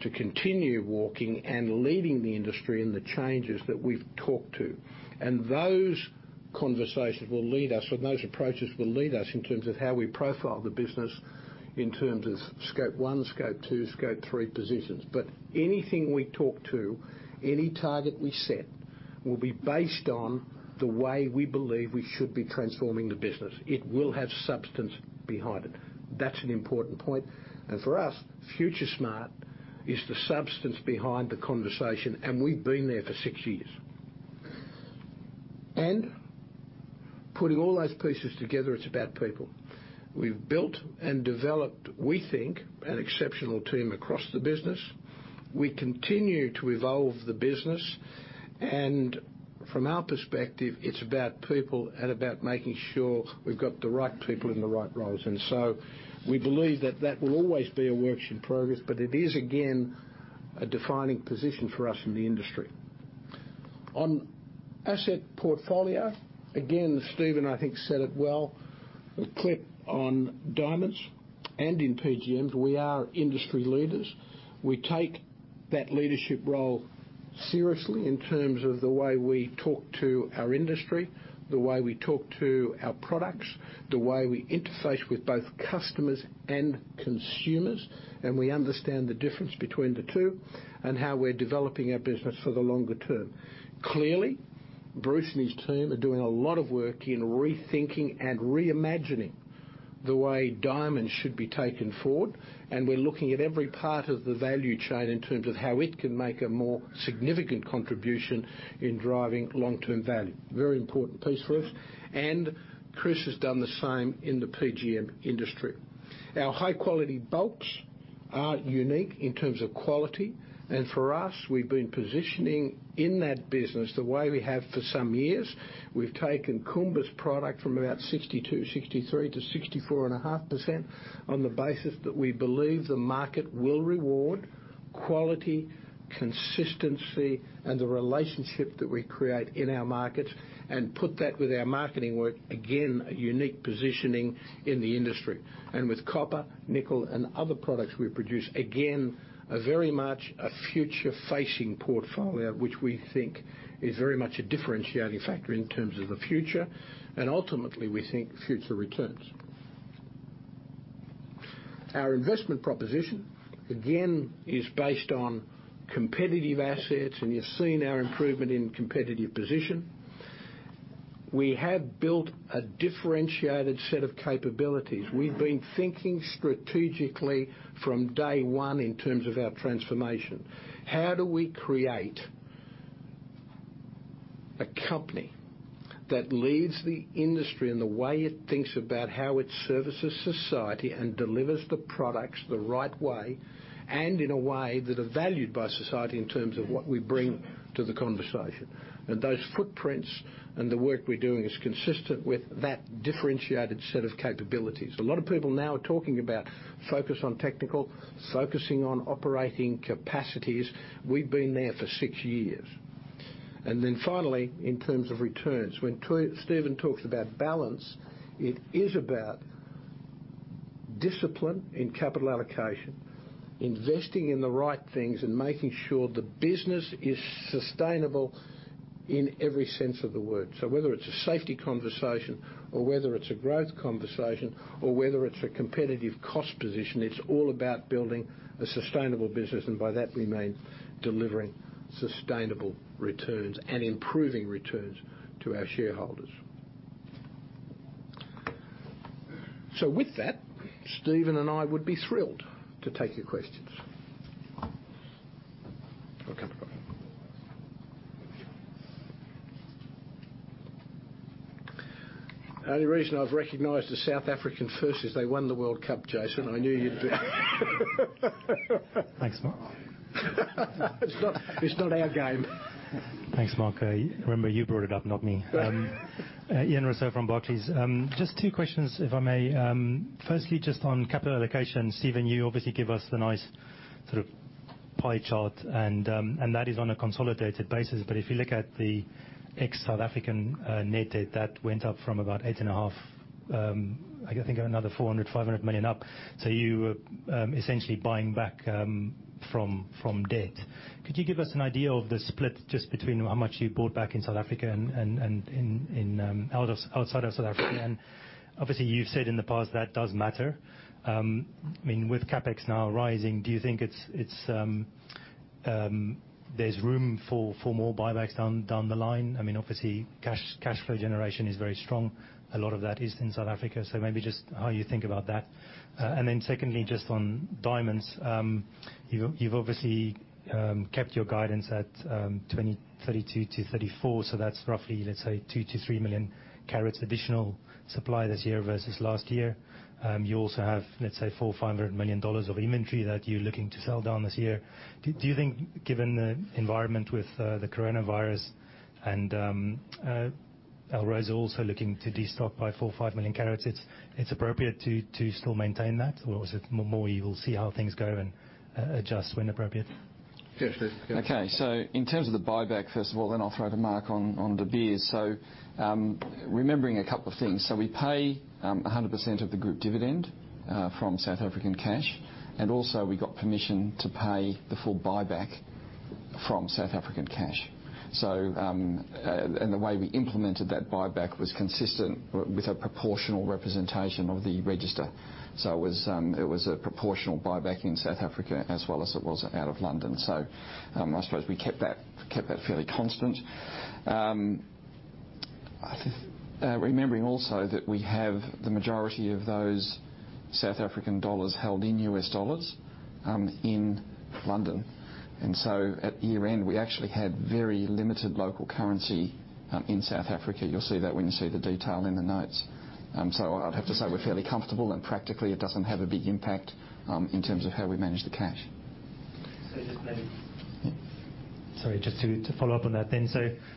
to continue walking and leading the industry in the changes that we've talked to. Those conversations will lead us, or those approaches will lead us in terms of how we profile the business in terms of Scope 1, Scope 2, Scope 3 positions. Anything we talk to, any target we set, will be based on the way we believe we should be transforming the business. It will have substance behind it. That's an important point. For us, FutureSmart is the substance behind the conversation, and we've been there for six years. Putting all those pieces together, it's about people. We've built and developed, we think, an exceptional team across the business. We continue to evolve the business and from our perspective, it's about people and about making sure we've got the right people in the right roles. We believe that that will always be a work in progress, but it is again, a defining position for us in the industry. On asset portfolio, again, Stephen, I think, said it well. We've clicked on diamonds and in PGMs, we are industry leaders. We take that leadership role seriously in terms of the way we talk to our industry, the way we talk to our products, the way we interface with both customers and consumers, and we understand the difference between the two, and how we're developing our business for the longer term. Clearly, Bruce and his team are doing a lot of work in rethinking and reimagining the way diamonds should be taken forward, and we're looking at every part of the value chain in terms of how it can make a more significant contribution in driving long-term value. Very important piece for us. Chris has done the same in the PGM industry. Our high-quality bulks are unique in terms of quality, and for us, we've been positioning in that business the way we have for some years. We've taken Kumba's product from about 62%, 63%-64.5% on the basis that we believe the market will reward quality, consistency, and the relationship that we create in our markets and put that with our marketing work, again, a unique positioning in the industry. With copper, nickel, and other products we produce, again, very much a future-facing portfolio, which we think is very much a differentiating factor in terms of the future, and ultimately, we think future returns. Our investment proposition, again, is based on competitive assets, and you're seeing our improvement in competitive position. We have built a differentiated set of capabilities. We've been thinking strategically from day one in terms of our transformation. How do we create a company that leads the industry in the way it thinks about how it services society and delivers the products the right way, and in a way that are valued by society in terms of what we bring to the conversation? Those footprints and the work we're doing is consistent with that differentiated set of capabilities. A lot of people now are talking about focus on technical, focusing on operating capacities. We've been there for six years. Then finally, in terms of returns, when Stephen talks about balance, it is about discipline in capital allocation, investing in the right things, and making sure the business is sustainable in every sense of the word. Whether it's a safety conversation or whether it's a growth conversation or whether it's a competitive cost position, it's all about building a sustainable business. By that, we mean delivering sustainable returns and improving returns to our shareholders. With that, Stephen and I would be thrilled to take your questions. We'll come to the front. Only reason I've recognized a South African first is they won the World Cup, Jason. I knew you'd be. Thanks, Mark. It's not our game. Thanks, Mark. Remember you brought it up, not me. Ian Rossouw from Barclays. Just two questions, if I may. Firstly, just on capital allocation, Stephen, you obviously give us the nice pie chart, and that is on a consolidated basis. If you look at the ex-South African net debt, that went up from about $8.5, I think another $400 million, $500 million up. You were essentially buying back from debt. Could you give us an idea of the split just between how much you bought back in South Africa and outside of South Africa? Obviously, you've said in the past that does matter. With CapEx now rising, do you think there's room for more buybacks down the line? Obviously, cash flow generation is very strong. A lot of that is in South Africa. Maybe just how you think about that. Then secondly, just on diamonds, you've obviously kept your guidance at 32-34. So that's roughly, let's say, 2 million-3 million carats additional supply this year versus last year. You also have, let's say, $400 million-$500 million of inventory that you're looking to sell down this year. Do you think, given the environment with the coronavirus and Alrosa also looking to destock by 4 million-5 million carats, it's appropriate to still maintain that? Or is it more you will see how things go and adjust when appropriate? Yeah, Stephen. Okay. In terms of the buyback, first of all, then I'll throw to Mark on De Beers. Remembering a couple of things. We pay 100% of the group dividend from South African cash, also we got permission to pay the full buyback from South African cash. The way we implemented that buyback was consistent with a proportional representation of the register. It was a proportional buyback in South Africa as well as it was out of London. I suppose we kept that fairly constant. Remembering also that we have the majority of those South African dollars held in U.S. dollars in London. At year-end, we actually had very limited local currency in South Africa. You'll see that when you see the detail in the notes. I'd have to say we're fairly comfortable, and practically, it doesn't have a big impact in terms of how we manage the cash. Sorry, just to follow up on that then.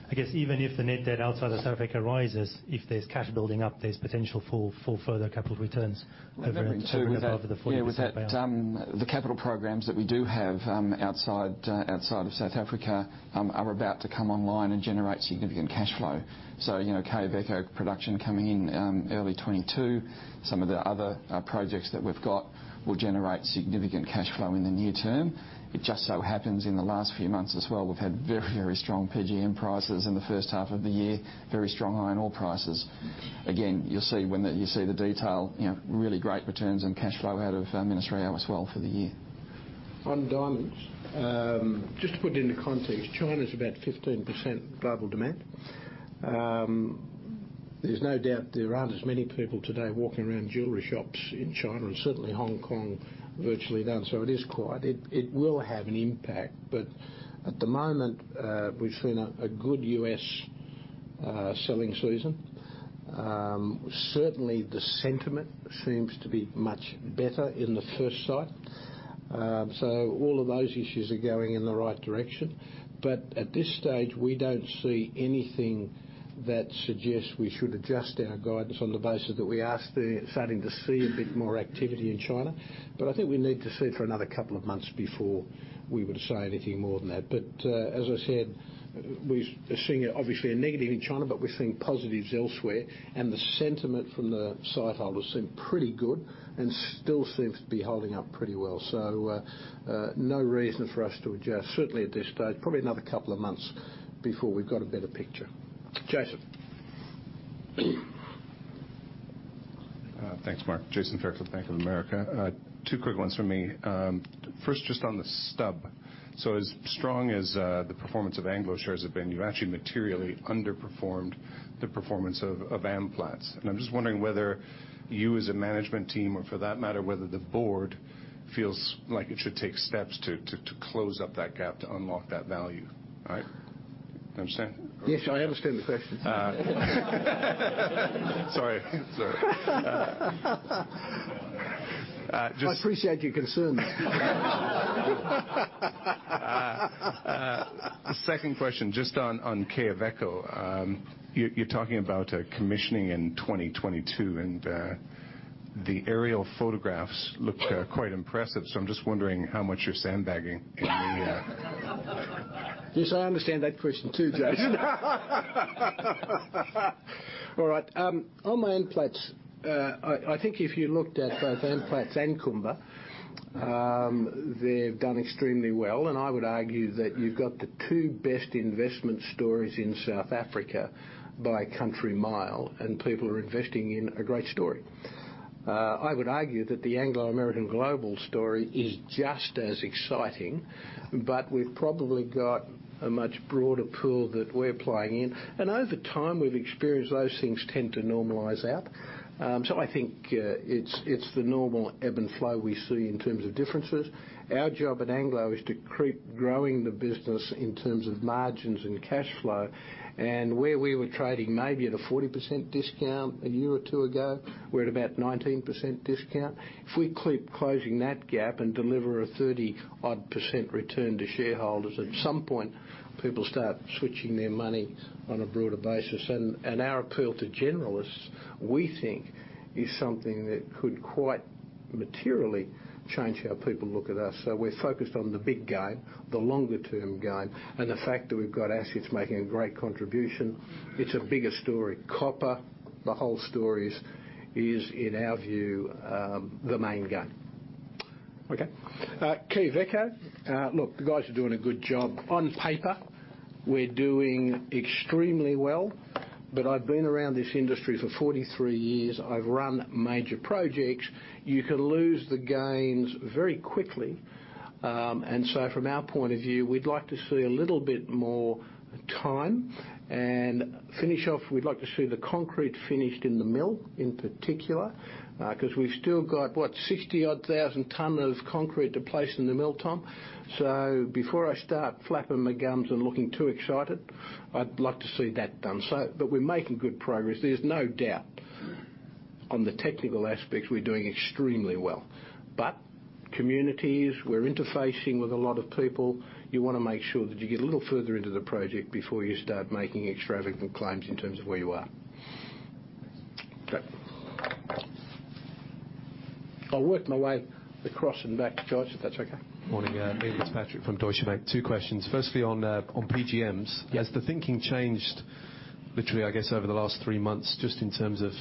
I guess even if the net debt outside of South Africa rises, if there's cash building up, there's potential for further capital returns over and above the 40% payout. Yeah, with that, the capital programs that we do have outside of South Africa are about to come online and generate significant cash flow. Quellaveco production coming in early 2022. Some of the other projects that we've got will generate significant cash flow in the near term. It just so happens in the last few months as well, we've had very, very strong PGM prices in the first half of the year, very strong iron ore prices. You'll see when you see the detail, really great returns and cash flow out of Minas-Rio as well for the year. On diamonds, just to put it into context, China's about 15% global demand. There's no doubt there aren't as many people today walking around jewelry shops in China and certainly Hong Kong, virtually none. It is quiet. It will have an impact. At the moment, we've seen a good U.S. selling season. Certainly, the sentiment seems to be much better in the first site. All of those issues are going in the right direction. At this stage, we don't see anything that suggests we should adjust our guidance on the basis that we are starting to see a bit more activity in China. I think we need to see for another couple of months before we would say anything more than that. As I said, we're seeing obviously a negative in China, but we're seeing positives elsewhere, and the sentiment from the sightholders seem pretty good and still seems to be holding up pretty well. No reason for us to adjust, certainly at this stage. Probably another couple of months before we've got a better picture. Thanks, Mark. Jason Fairclough, Bank of America. Two quick ones from me. First, just on the stub. As strong as the performance of Anglo shares have been, you've actually materially underperformed the performance of Amplats. I'm just wondering whether you as a management team, or for that matter, whether the board feels like it should take steps to close up that gap to unlock that value. Right? You understand? Yes, I understand the question. Sorry. I appreciate your concern. The second question, just on Quellaveco. You're talking about commissioning in 2022, and the aerial photographs looked quite impressive. I'm just wondering how much you're sandbagging. Yes, I understand that question, too, Jason. All right. On Amplats, I think if you looked at both Amplats and Kumba, they've done extremely well. I would argue that you've got the two best investment stories in South Africa by country mile, and people are investing in a great story. I would argue that the Anglo American global story is just as exciting, but we've probably got a much broader pool that we're playing in. Over time, we've experienced those things tend to normalize out. I think it's the normal ebb and flow we see in terms of differences. Our job at Anglo is to keep growing the business in terms of margins and cash flow. Where we were trading maybe at a 40% discount a year or two ago, we're at about 19% discount. If we keep closing that gap and deliver a 30-odd% return to shareholders, at some point, people start switching their money on a broader basis. Our appeal to generalists, we think is something that could quite materially change how people look at us. We're focused on the big gain, the longer-term gain, and the fact that we've got assets making a great contribution. It's a bigger story. Copper, the whole story is in our view, the main gain. Okay. Quellaveco. Look, the guys are doing a good job. On paper, we're doing extremely well, but I've been around this industry for 43 years. I've run major projects. You can lose the gains very quickly. From our point of view, we'd like to see a little bit more time and finish off. We'd like to see the concrete finished in the mill in particular, because we've still got, what, 60-odd thousand tons of concrete to place in the mill, Tom. Before I start flapping my gums and looking too excited, I'd like to see that done. We're making good progress. There's no doubt on the technical aspects we're doing extremely well. Communities, we're interfacing with a lot of people. You want to make sure that you get a little further into the project before you start making extravagant claims in terms of where you are. Okay. I'll work my way across and back to Jason, if that's okay. Morning. Liam Fitzpatrick from Deutsche Bank. Two questions. Firstly, on PGMs. Yes. Has the thinking changed literally, I guess, over the last three months, just in terms of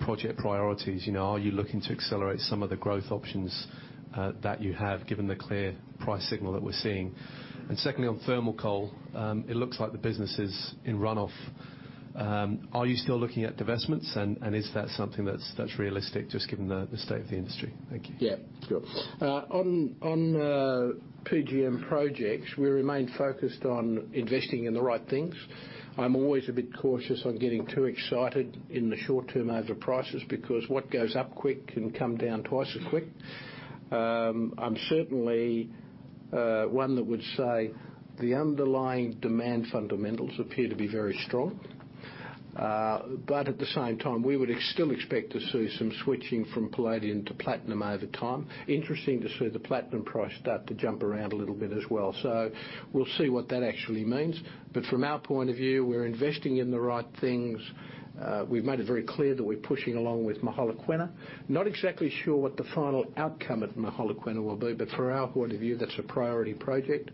project priorities? Are you looking to accelerate some of the growth options that you have, given the clear price signal that we're seeing? Secondly, on thermal coal, it looks like the business is in runoff. Are you still looking at divestments? And is that something that's realistic, just given the state of the industry? Thank you. Yeah, sure. On PGM projects, we remain focused on investing in the right things. I'm always a bit cautious on getting too excited in the short term over prices, because what goes up quick can come down twice as quick. I'm certainly one that would say the underlying demand fundamentals appear to be very strong. At the same time, we would still expect to see some switching from palladium to platinum over time. Interesting to see the platinum price start to jump around a little bit as well. We'll see what that actually means. From our point of view, we're investing in the right things. We've made it very clear that we're pushing along with Mogalakwena. Not exactly sure what the final outcome at Mogalakwena will be, but from our point of view, that's a priority project.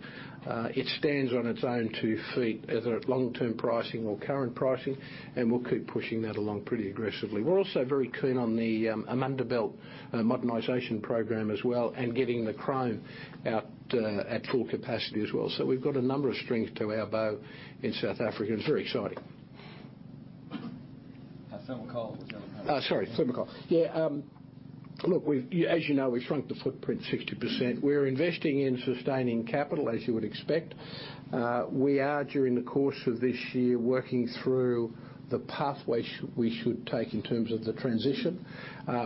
It stands on its own two feet, either at long-term pricing or current pricing, and we'll keep pushing that along pretty aggressively. We're also very keen on the Amandelbult modernization program as well, and getting the chrome out at full capacity as well. We've got a number of strings to our bow in South Africa, and it's very exciting. Thermal coal. Sorry, thermal coal. Look, as you know, we've shrunk the footprint 60%. We're investing in sustaining capital, as you would expect. We are, during the course of this year, working through the pathway we should take in terms of the transition.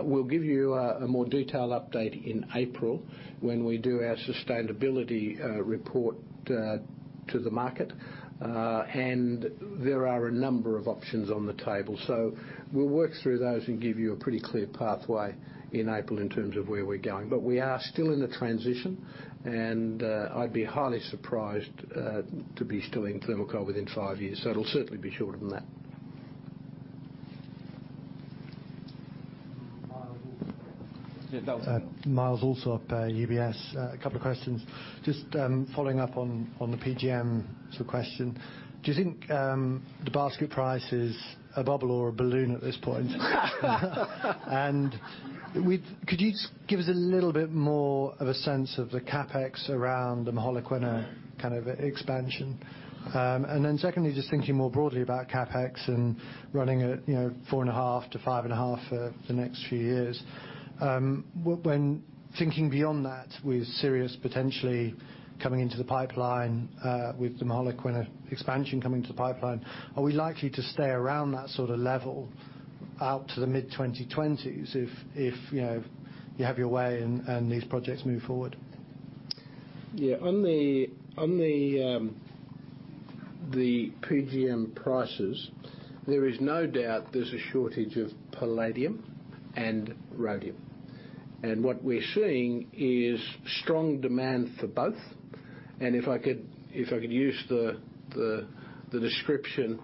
We'll give you a more detailed update in April when we do our sustainability report to the market. There are a number of options on the table. We'll work through those and give you a pretty clear pathway in April in terms of where we're going. We are still in a transition, and I'd be highly surprised to be still in thermal coal within five years. It'll certainly be shorter than that. Myles Allsop of UBS. A couple of questions. Following up on the PGM question, do you think the basket price is a bubble or a balloon at this point? Could you give us a little bit more of a sense of the CapEx around the Mogalakwena expansion? Secondly, just thinking more broadly about CapEx and running at $4.5-$5.5 for the next few years. When thinking beyond that, with Sirius potentially coming into the pipeline, with the Mogalakwena expansion coming to the pipeline, are we likely to stay around that sort of level out to the mid-2020s if you have your way and these projects move forward? Yeah. On the PGM prices, there is no doubt there's a shortage of palladium and rhodium. What we're seeing is strong demand for both. If I could use the description,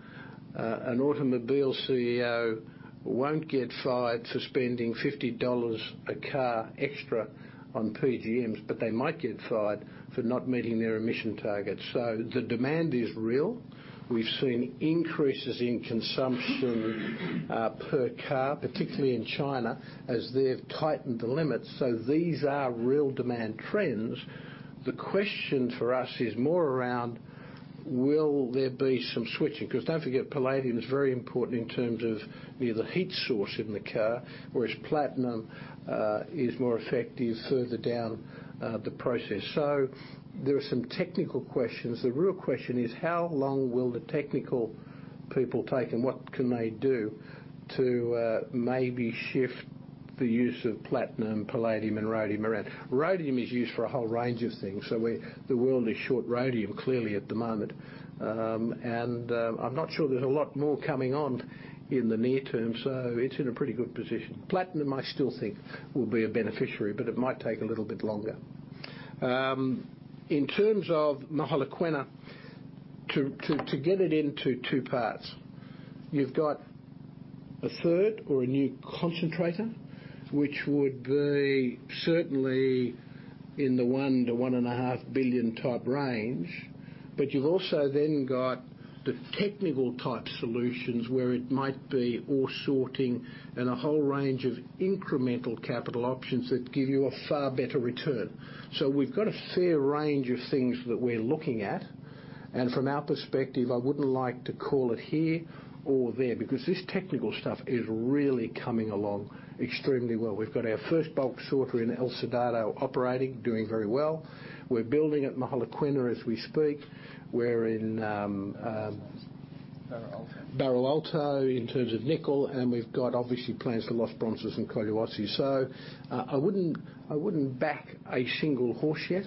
an automobile CEO won't get fired for spending $50 a car extra on PGMs, but they might get fired for not meeting their emission targets. The demand is real. We've seen increases in consumption per car, particularly in China, as they've tightened the limits. These are real demand trends. The question for us is more around will there be some switching? Don't forget, palladium is very important in terms of the heat source in the car, whereas platinum is more effective further down the process. There are some technical questions. The real question is how long will the technical people take, and what can they do to maybe shift the use of platinum, palladium, and rhodium around? Rhodium is used for a whole range of things. The world is short rhodium clearly at the moment. I'm not sure there's a lot more coming on in the near term. It's in a pretty good position. Platinum, I still think will be a beneficiary. It might take a little bit longer. In terms of Mogalakwena, to get it into two parts, you've got a third or a new concentrator, which would be certainly in the $1 billion-$1.5 billion type range. You've also got the technical type solutions where it might be ore sorting and a whole range of incremental capital options that give you a far better return. We've got a fair range of things that we're looking at, and from our perspective, I wouldn't like to call it here or there, because this technical stuff is really coming along extremely well. We've got our first bulk sorter in El Soldado operating, doing very well. We're building at Mogalakwena as we speak. Barro Alto Barro Alto in terms of nickel, and we've got obviously plans for Los Bronces and Collahuasi. I wouldn't back a single horse yet,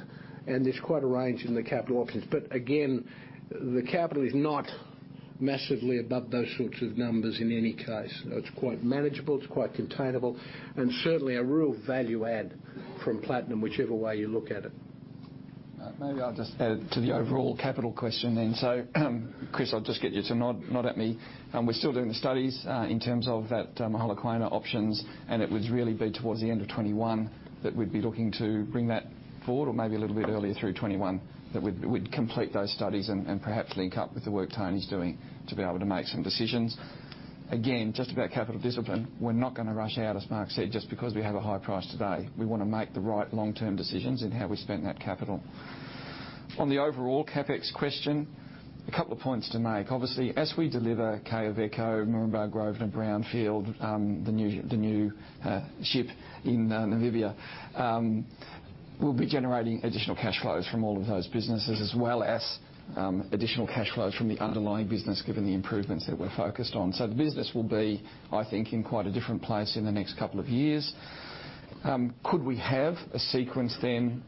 and there's quite a range in the capital options. Again, the capital is not massively above those sorts of numbers in any case. It's quite manageable, it's quite containable, and certainly a real value add from platinum, whichever way you look at it. Maybe I'll just add to the overall capital question. Chris, I'll just get you to nod at me. We're still doing the studies in terms of that Mogalakwena options, and it would really be towards the end of 2021 that we'd be looking to bring that forward or maybe a little bit earlier through 2021 that we'd complete those studies and perhaps link up with the work Tony's doing to be able to make some decisions. Again, just about capital discipline, we're not going to rush out, as Mark said, just because we have a high price today. We want to make the right long-term decisions in how we spend that capital. On the overall CapEx question, a couple of points to make. Obviously, as we deliver Quellaveco, Moranbah North and Grosvenor, and Brownfield, the new ship in Namibia, we'll be generating additional cash flows from all of those businesses, as well as additional cash flows from the underlying business, given the improvements that we're focused on. The business will be, I think, in quite a different place in the next couple of years. Could we have a sequence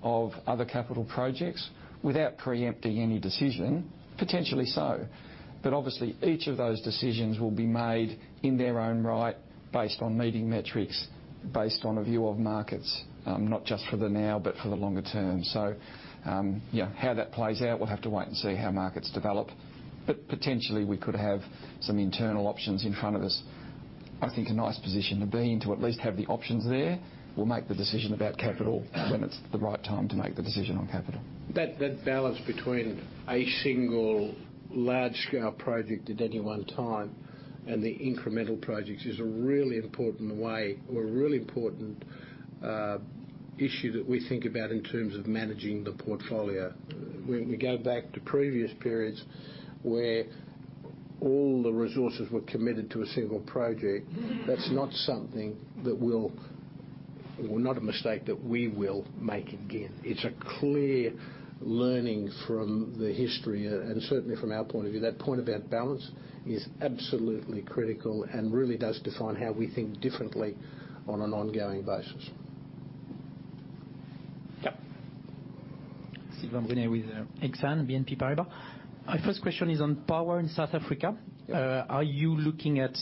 of other capital projects? Without preempting any decision, potentially so. Obviously, each of those decisions will be made in their own right based on meeting metrics, based on a view of markets, not just for the now, but for the longer term. How that plays out, we'll have to wait and see how markets develop. Potentially we could have some internal options in front of us. I think a nice position to be in to at least have the options there. We'll make the decision about capital when it's the right time to make the decision on capital. That balance between a single large-scale project at any one time and the incremental projects is a really important way or a really important issue that we think about in terms of managing the portfolio. When we go back to previous periods where all the resources were committed to a single project, that's not something or not a mistake that we will make again. It's a clear learning from the history, and certainly from our point of view, that point about balance is absolutely critical and really does define how we think differently on an ongoing basis. Sylvain Brunet with Exane BNP Paribas. My first question is on power in South Africa. Are you looking at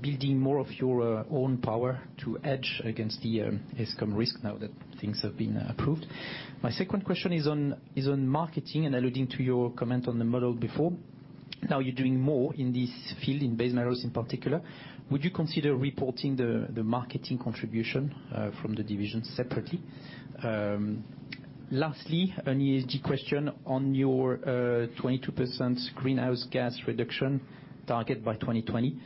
building more of your own power to hedge against the Eskom risk now that things have been approved? My second question is on marketing and alluding to your comment on the model before. Now you're doing more in this field, in base metals in particular. Would you consider reporting the marketing contribution from the division separately? Lastly, an ESG question on your 22% greenhouse gas reduction target by 2020.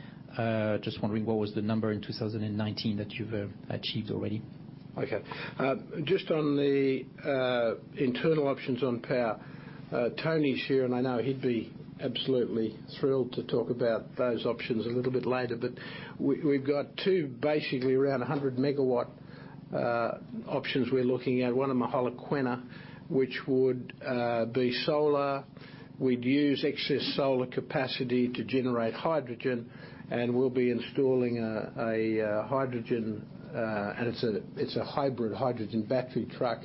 Just wondering what was the number in 2019 that you've achieved already? Okay. Just on the internal options on power. Tony's here, and I know he'd be absolutely thrilled to talk about those options a little bit later. We've got two, basically around 100 MW options we're looking at. One of Mogalakwena, which would be solar. We'd use excess solar capacity to generate hydrogen. We'll be installing a hybrid hydrogen battery truck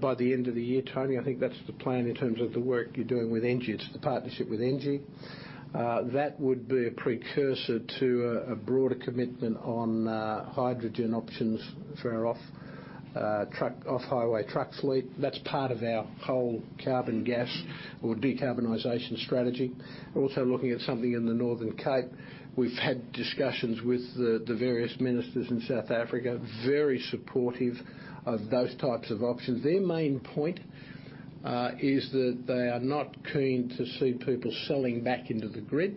by the end of the year, Tony. I think that's the plan in terms of the work you're doing with Engie. It's the partnership with Engie. That would be a precursor to a broader commitment on hydrogen options for our off-highway truck fleet. That's part of our whole carbon gas or decarbonization strategy. We're also looking at something in the Northern Cape. We've had discussions with the various ministers in South Africa, very supportive of those types of options. Their main point is that they are not keen to see people selling back into the grid.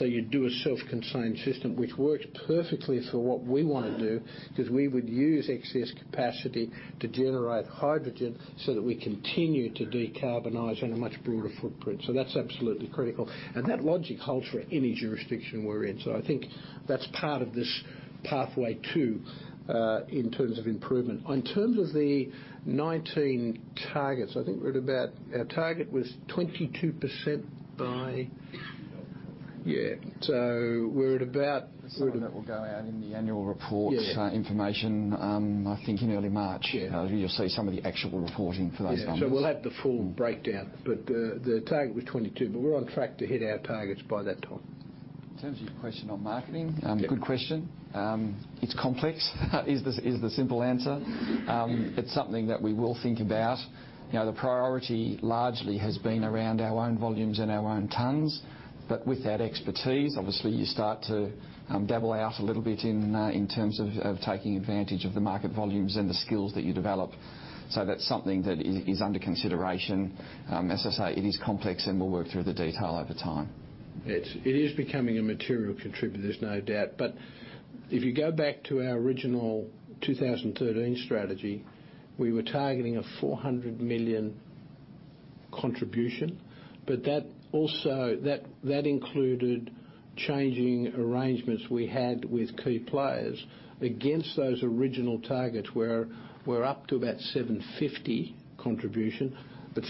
You do a self-contained system, which works perfectly for what we want to do, because we would use excess capacity to generate hydrogen so that we continue to decarbonize on a much broader footprint. That's absolutely critical, and that logic holds for any jurisdiction we're in. I think that's part of this pathway too in terms of improvement. In terms of the 19 targets, I think we're at about, our target was 22% by. 2020. Yeah. We're at about. Some of it will go out in the annual reports. Yeah. Some information, I think in early March. Yeah. You'll see some of the actual reporting for those numbers. Yeah. We'll have the full breakdown. The target was 2022, but we're on track to hit our targets by that time. In terms of your question on marketing. Yeah. Good question. It's complex, is the simple answer. It's something that we will think about. The priority largely has been around our own volumes and our own tons. With that expertise, obviously, you start to dabble out a little bit in terms of taking advantage of the market volumes and the skills that you develop. That's something that is under consideration. As I say, it is complex, and we'll work through the detail over time. It is becoming a material contributor, there's no doubt. If you go back to our original 2013 strategy, we were targeting a $400 million contribution. That included changing arrangements we had with key players against those original targets, where we're up to about $750 contribution.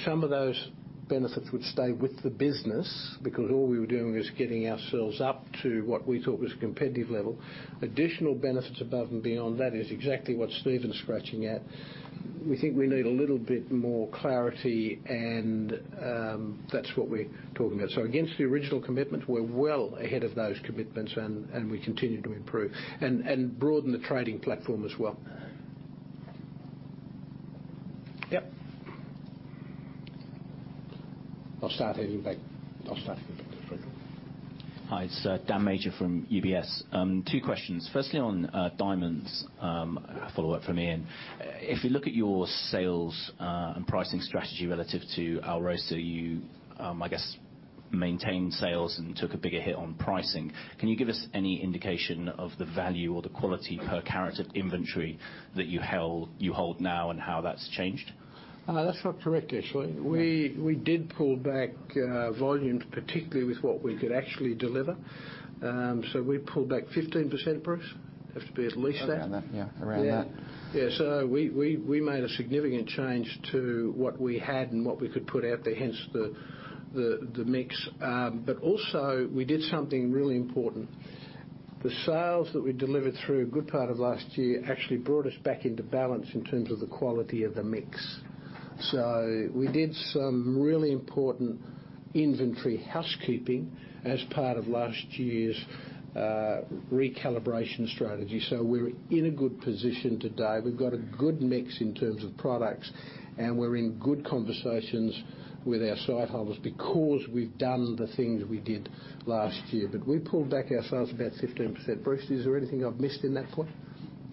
Some of those benefits would stay with the business because all we were doing was getting ourselves up to what we thought was a competitive level. Additional benefits above and beyond that is exactly what Stephen's scratching at. We think we need a little bit more clarity, and that's what we're talking about. Against the original commitment, we're well ahead of those commitments, and we continue to improve and broaden the trading platform as well. Yep. I'll start at the back. I'll start here. Hi, it's Daniel Major from UBS. Two questions. Firstly, on diamonds, a follow-up from Ian. If you look at your sales and pricing strategy relative to Alrosa, you, I guess, maintained sales and took a bigger hit on pricing. Can you give us any indication of the value or the quality per carat of inventory that you hold now and how that's changed? That's not correct, actually. No. We did pull back volumes, particularly with what we could actually deliver. We pulled back 15%, Bruce. Have to be at least that. Around that, yeah. Around that. Yeah. We made a significant change to what we had and what we could put out there, hence the mix. Also, we did something really important. The sales that we delivered through a good part of last year actually brought us back into balance in terms of the quality of the mix. We did some really important inventory housekeeping as part of last year's recalibration strategy. We're in a good position today. We've got a good mix in terms of products, and we're in good conversations with our site holders because we've done the things we did last year. We pulled back our sales about 15%. Bruce, is there anything I've missed in that point?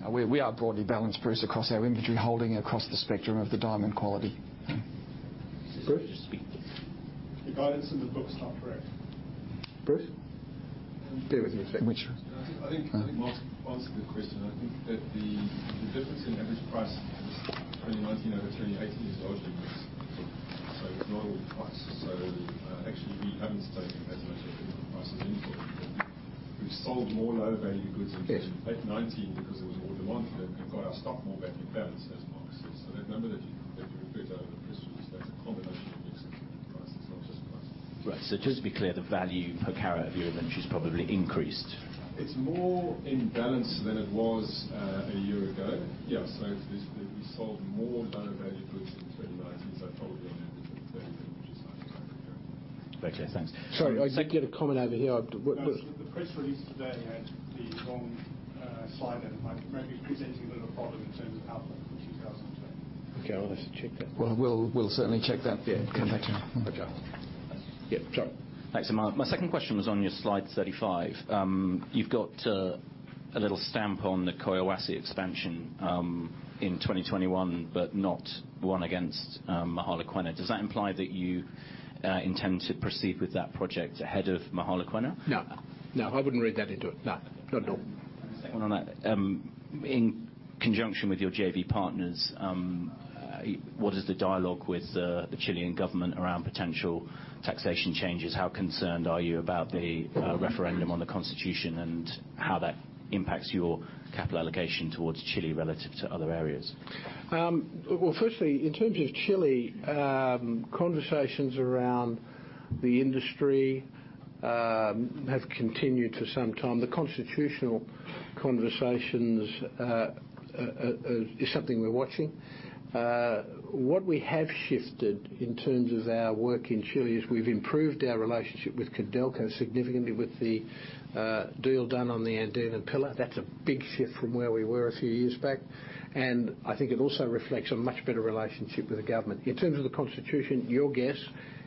We are broadly balanced, Bruce, across our inventory holding across the spectrum of the diamond quality. Bruce? The guidance in the book's not correct. Bruce? Bear with me a sec. I think Mark answered the question. I think that the difference in average price in 2019 over 2018 is largely mix. It's not all price. Actually, we haven't taken as much of a hit on price as input. We've sold more lower-value goods in 2019 because there was more demand for them. We've got our stock more back in balance, as Mark says. That number that you referred to, that's a combination of mix and price. It's not just price. Right. Just to be clear, the value per carat of your inventory has probably increased. It's more in balance than it was a year ago. Yeah. We sold more lower-value goods in 2019, so probably on an average, $30. Okay, thanks. Sorry, I think you had a comment over here. The press release today had the wrong slide in. I may be presenting a little problem in terms of output for 2020. Okay, I'll have to check that. We'll certainly check that. Yeah. Come back to you. Okay. Yep, John. Thanks. My second question was on your slide 35. You've got a little stamp on the Quellaveco expansion in 2021, but not one against Mogalakwena. Does that imply that you intend to proceed with that project ahead of Mogalakwena? No. I wouldn't read that into it. No. Not at all. Second one on that. In conjunction with your JV partners, what is the dialogue with the Chilean government around potential taxation changes? How concerned are you about the referendum on the Constitution and how that impacts your capital allocation towards Chile relative to other areas? Well, firstly, in terms of Chile, conversations around the industry have continued to some time. The constitutional conversation is something we're watching. What we have shifted, in terms of our work in Chile, is we've improved our relationship with Codelco significantly with the deal done on the Andina pillar. That's a big shift from where we were a few years back. I think it also reflects a much better relationship with the government. In terms of the Constitution, your guess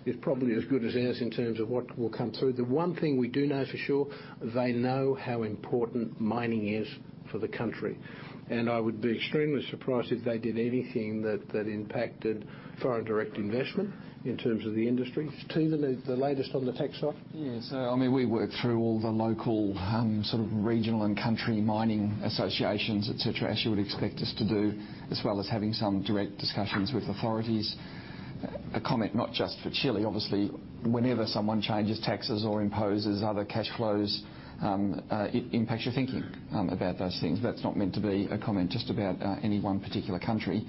is probably as good as ours in terms of what will come through. The one thing we do know for sure. They know how important mining is for the country. I would be extremely surprised if they did anything that impacted foreign direct investment in terms of the industry. Stephen, the latest on the tax front? Yes. We work through all the local sort of regional and country mining associations, et cetera, as you would expect us to do, as well as having some direct discussions with authorities. A comment not just for Chile, obviously. Whenever someone changes taxes or imposes other cash flows, it impacts your thinking about those things. That's not meant to be a comment just about any one particular country.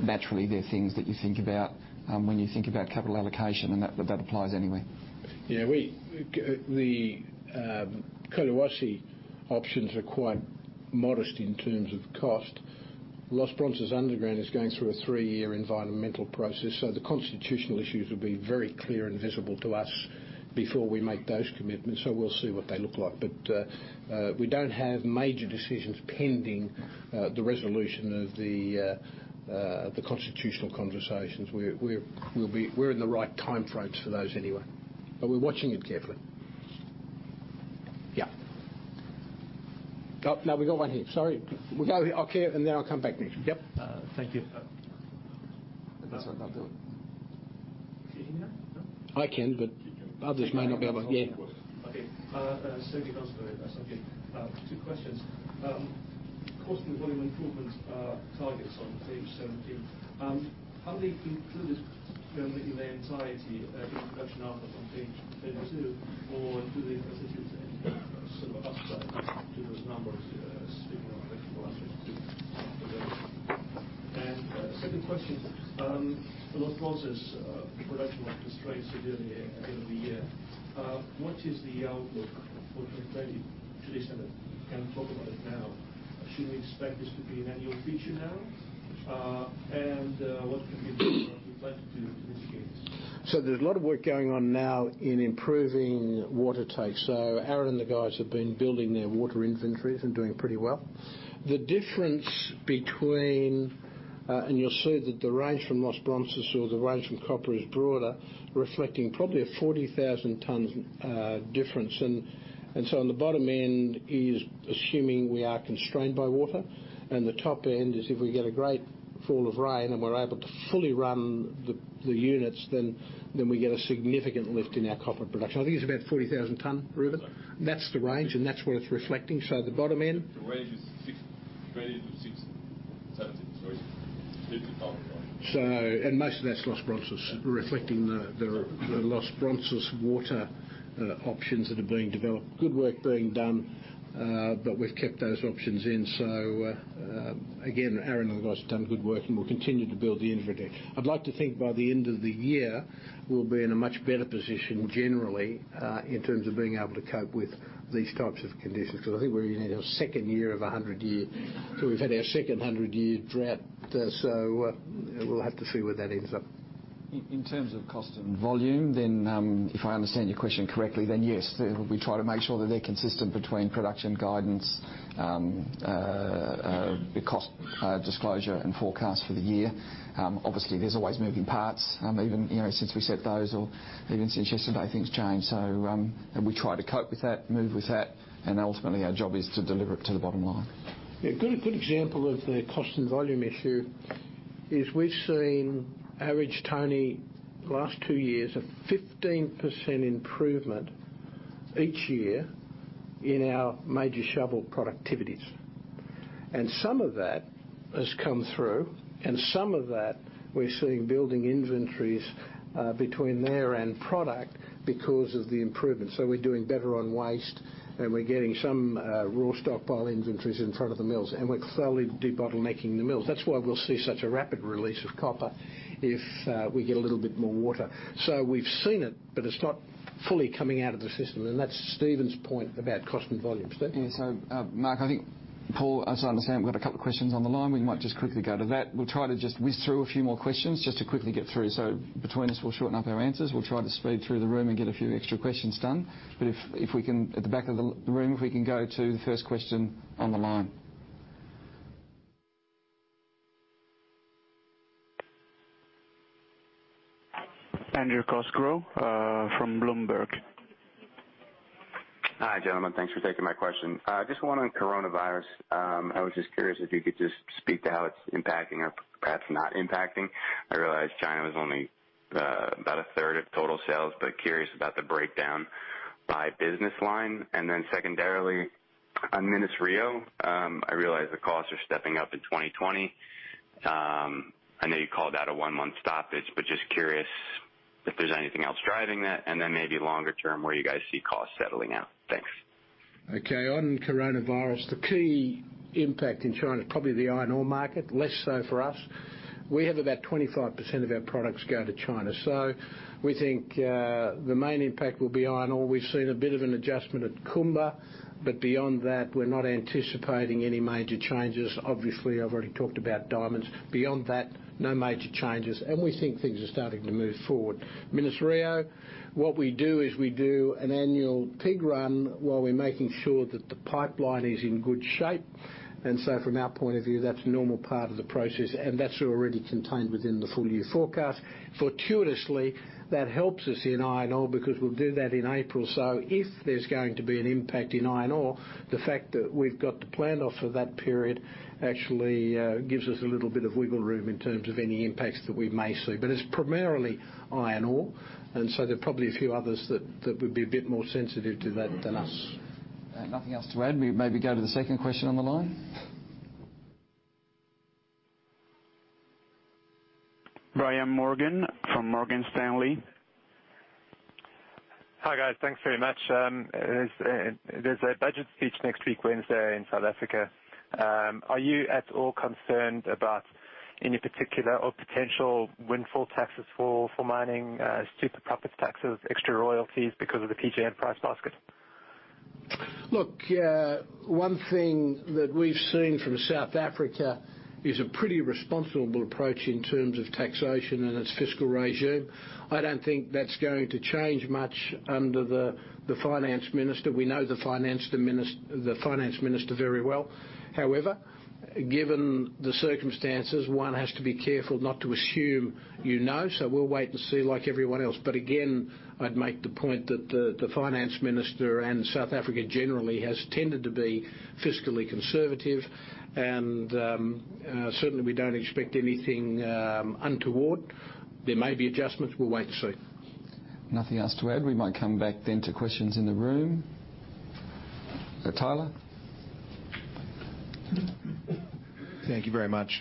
Naturally, they're things that you think about when you think about capital allocation, and that applies anywhere. The Collahuasi options are quite modest in terms of cost. Los Bronces underground is going through a three-year environmental process. The constitutional issues will be very clear and visible to us before we make those commitments. We'll see what they look like. We don't have major decisions pending the resolution of the constitutional conversations. We're in the right time frames for those anyway. We're watching it carefully. No, we got one here. Sorry. We'll go here, and then I'll come back to you. Thank you. That's not doing. Can you hear now? No? I can, but others may not be able. Yeah. Okay, Stephen. Two questions. Cost and volume improvement targets on page 17. How do you include this generally in their entirety in production outlook on page 32, or do they, as it is, any sort of upside to those numbers, speaking of to operation? Second question. For Los Bronces production was constrained severely at the end of the year. What is the outlook for 2020 to December? You can talk about it now. Should we expect this to be an annual feature now? What could be done to mitigate this? There's a lot of work going on now in improving water takes. Aaron and the guys have been building their water inventories and doing pretty well. The difference between You'll see that the range from Los Bronces or the range from copper is broader, reflecting probably a 40,000 tons difference. On the bottom end is assuming we are constrained by water. The top end is if we get a great fall of rain and we're able to fully run the units, then we get a significant lift in our copper production. I think it's about 40,000 ton, Ruben? That's the range and that's what it's reflecting at the bottom end. The range is 20 to 70. Sorry. Most of that's Los Bronces. We're reflecting the Los Bronces water options that are being developed. Good work being done. We've kept those options in. Again, Aaron and the guys have done good work, and we'll continue to build the inventory. I'd like to think by the end of the year, we'll be in a much better position generally, in terms of being able to cope with these types of conditions. Because I think we're in our second year of 100-year. We've had our second 100-year drought. We'll have to see where that ends up. In terms of cost and volume, if I understand your question correctly, then yes. We try to make sure that they're consistent between production guidance, the cost disclosure and forecast for the year. Obviously, there's always moving parts. Even since we set those or even since yesterday, things change. We try to cope with that, move with that, and ultimately our job is to deliver it to the bottom line. Yeah. Good example of the cost and volume issue is we've seen average, Tony, the last two years, a 15% improvement each year in our major shovel productivities. Some of that has come through and some of that we're seeing building inventories between there and product because of the improvements. We're doing better on waste and we're getting some raw stockpile inventories in front of the mills. We're slowly debottlenecking the mills. That's why we'll see such a rapid release of copper if we get a little bit more water. We've seen it, but it's not fully coming out of the system. That's Stephen's point about cost and volume. Stephen? Yeah. Mark, I think, Paul, as I understand, we've got a couple of questions on the line. We might just quickly go to that. We'll try to just whiz through a few more questions just to quickly get through. Between us, we'll shorten up our answers. We'll try to speed through the room and get a few extra questions done. At the back of the room, if we can go to the first question on the line. Andrew Cosgrove from Bloomberg. Hi, gentlemen. Thanks for taking my question. Just one on coronavirus. I was just curious if you could just speak to how it's impacting or perhaps not impacting. I realize China was only about a third of total sales, but curious about the breakdown by business line. Then secondarily, on Minas-Rio, I realize the costs are stepping up in 2020. I know you called that a one-month stoppage, but just curious if there's anything else driving that, and then maybe longer term, where you guys see costs settling out. Thanks. Okay. On coronavirus, the key impact in China, probably the iron ore market, less so for us. We have about 25% of our products go to China. We think the main impact will be iron ore. We've seen a bit of an adjustment at Kumba, but beyond that, we're not anticipating any major changes. Obviously, I've already talked about diamonds. Beyond that, no major changes, and we think things are starting to move forward. Minas-Rio, what we do is we do an annual pig run while we're making sure that the pipeline is in good shape. From our point of view, that's a normal part of the process, and that's already contained within the full year forecast. Fortuitously, that helps us in iron ore because we'll do that in April. If there's going to be an impact in iron ore, the fact that we've got the plant off for that period actually gives us a little bit of wiggle room in terms of any impacts that we may see. It's primarily iron ore, there are probably a few others that would be a bit more sensitive to that than us. Nothing else to add. We maybe go to the second question on the line. Brian Morgan from Morgan Stanley. Hi, guys. Thanks very much. There's a budget speech next week Wednesday in South Africa. Are you at all concerned about any particular or potential windfall taxes for mining, super profits taxes, extra royalties because of the PGM price basket? Look, one thing that we've seen from South Africa is a pretty responsible approach in terms of taxation and its fiscal regime. I don't think that's going to change much under the finance minister. We know the finance minister very well. However, given the circumstances, one has to be careful not to assume you know. We'll wait and see like everyone else. Again, I'd make the point that the finance minister and South Africa generally has tended to be fiscally conservative, and certainly, we don't expect anything untoward. There may be adjustments. We'll wait to see. Nothing else to add. We might come back then to questions in the room. Tyler? Thank you very much.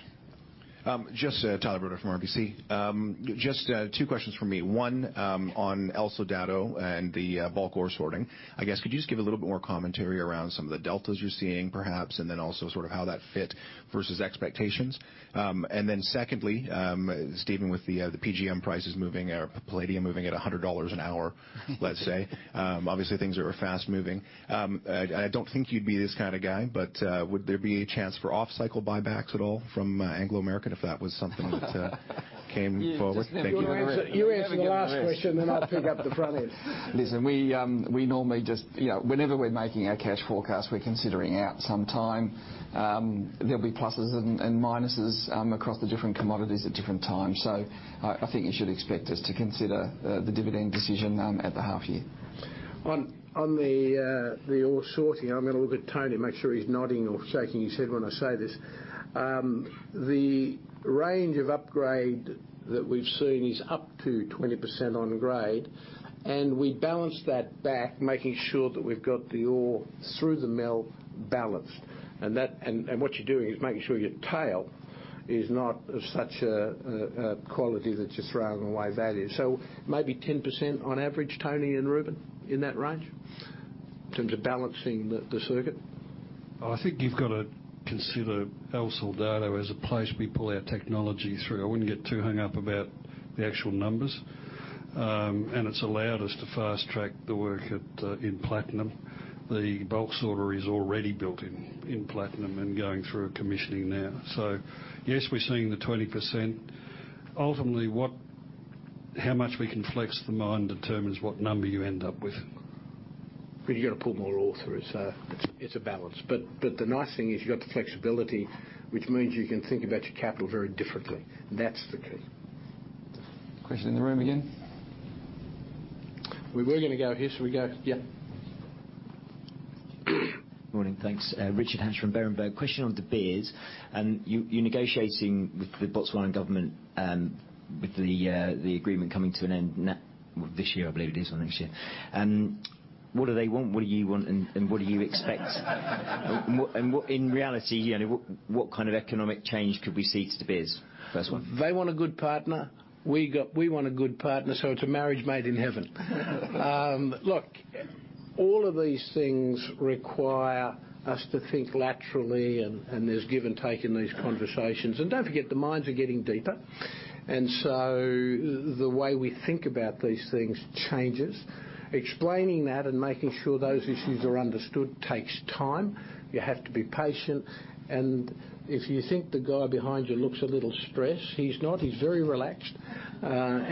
Tyler Broda from RBC Capital Markets. Just two questions from me. One, on El Soldado and the bulk ore sorting. I guess, could you just give a little bit more commentary around some of the deltas you're seeing, perhaps, and then also sort of how that fit versus expectations? Secondly, Stephen, with the PGM prices moving or palladium moving at $100 an hour, let's say. Obviously, things are fast-moving. I don't think you'd be this kind of guy, would there be a chance for off-cycle buybacks at all from Anglo American, if that was something that came forward? Thank you. You answer this question. I'll pick up the front end. Listen, we normally whenever we're making our cash forecast, we're considering out some time. There'll be pluses and minuses across the different commodities at different times. I think you should expect us to consider the dividend decision at the half year. On the ore sorting, I'm going to look at Tony, make sure he's nodding or shaking his head when I say this. The range of upgrade that we've seen is up to 20% on grade. We balance that back, making sure that we've got the ore through the mill balanced. What you're doing is making sure your tail is not such a quality that you're throwing away value. Maybe 10% on average, Tony and Ruben, in that range, in terms of balancing the circuit? I think you've got to consider El Soldado as a place we pull our technology through. I wouldn't get too hung up about the actual numbers. It's allowed us to fast-track the work in platinum. The bulk sorter is already built in platinum and going through commissioning now. Yes, we're seeing the 20%. Ultimately, how much we can flex the mine determines what number you end up with. You've got to pull more ore through. It's a balance. The nice thing is you've got the flexibility, which means you can think about your capital very differently. That's the key. Question in the room again. We were going to go here, so we go yeah. Morning. Thanks. Rich Hatch from Berenberg. Question on De Beers, you're negotiating with the Botswana government with the agreement coming to an end this year, I believe it is, or next year. What do they want? What do you want, and what do you expect? In reality, what kind of economic change could we see to De Beers? First one. They want a good partner. We want a good partner. It's a marriage made in heaven. Look, all of these things require us to think laterally, and there's give and take in these conversations. Don't forget, the mines are getting deeper. The way we think about these things changes. Explaining that and making sure those issues are understood takes time. You have to be patient. If you think the guy behind you looks a little stressed, he's not. He's very relaxed.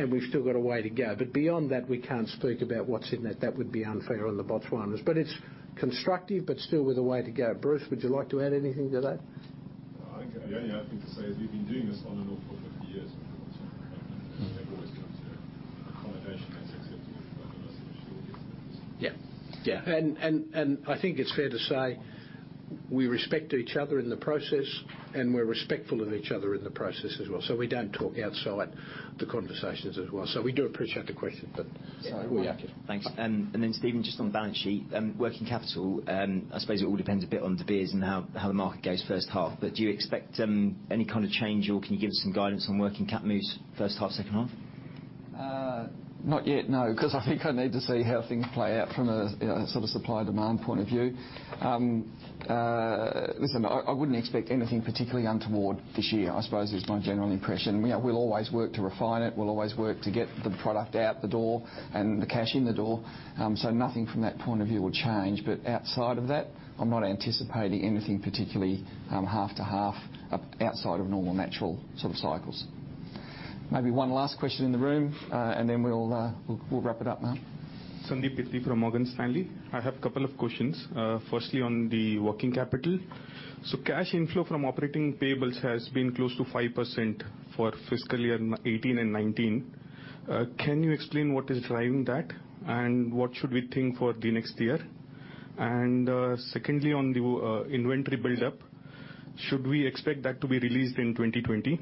We've still got a way to go. Beyond that, we can't speak about what's in it. That would be unfair on the Batswana. It's constructive, but still with a way to go. Bruce, would you like to add anything to that? I think the only other thing to say is we've been doing this on and off for 50 years with the Botswana government, and they've always come to an accommodation that's acceptable. Yeah. I think it's fair to say we respect each other in the process, and we're respectful of each other in the process as well. We don't talk outside the conversations as well. We do appreciate the question, but we have to. Thanks. Stephen, just on the balance sheet, working capital, I suppose it all depends a bit on De Beers and how the market goes first half, do you expect any kind of change or can you give us some guidance on working capital moves first half, second half? Not yet, no, because I think I need to see how things play out from a sort of supply demand point of view. Listen, I wouldn't expect anything particularly untoward this year, I suppose is my general impression. We'll always work to refine it. We'll always work to get the product out the door and the cash in the door. Nothing from that point of view will change. Outside of that, I'm not anticipating anything particularly half to half outside of normal, natural sort of cycles. Maybe one last question in the room, and then we'll wrap it up, Mark. Sandeep Peety from Morgan Stanley. I have a couple of questions. Firstly, on the working capital. cash inflow from operating payables has been close to 5% for fiscal year 2018 and 2019. Can you explain what is driving that and what should we think for the next year? secondly, on the inventory build-up, should we expect that to be released in 2020?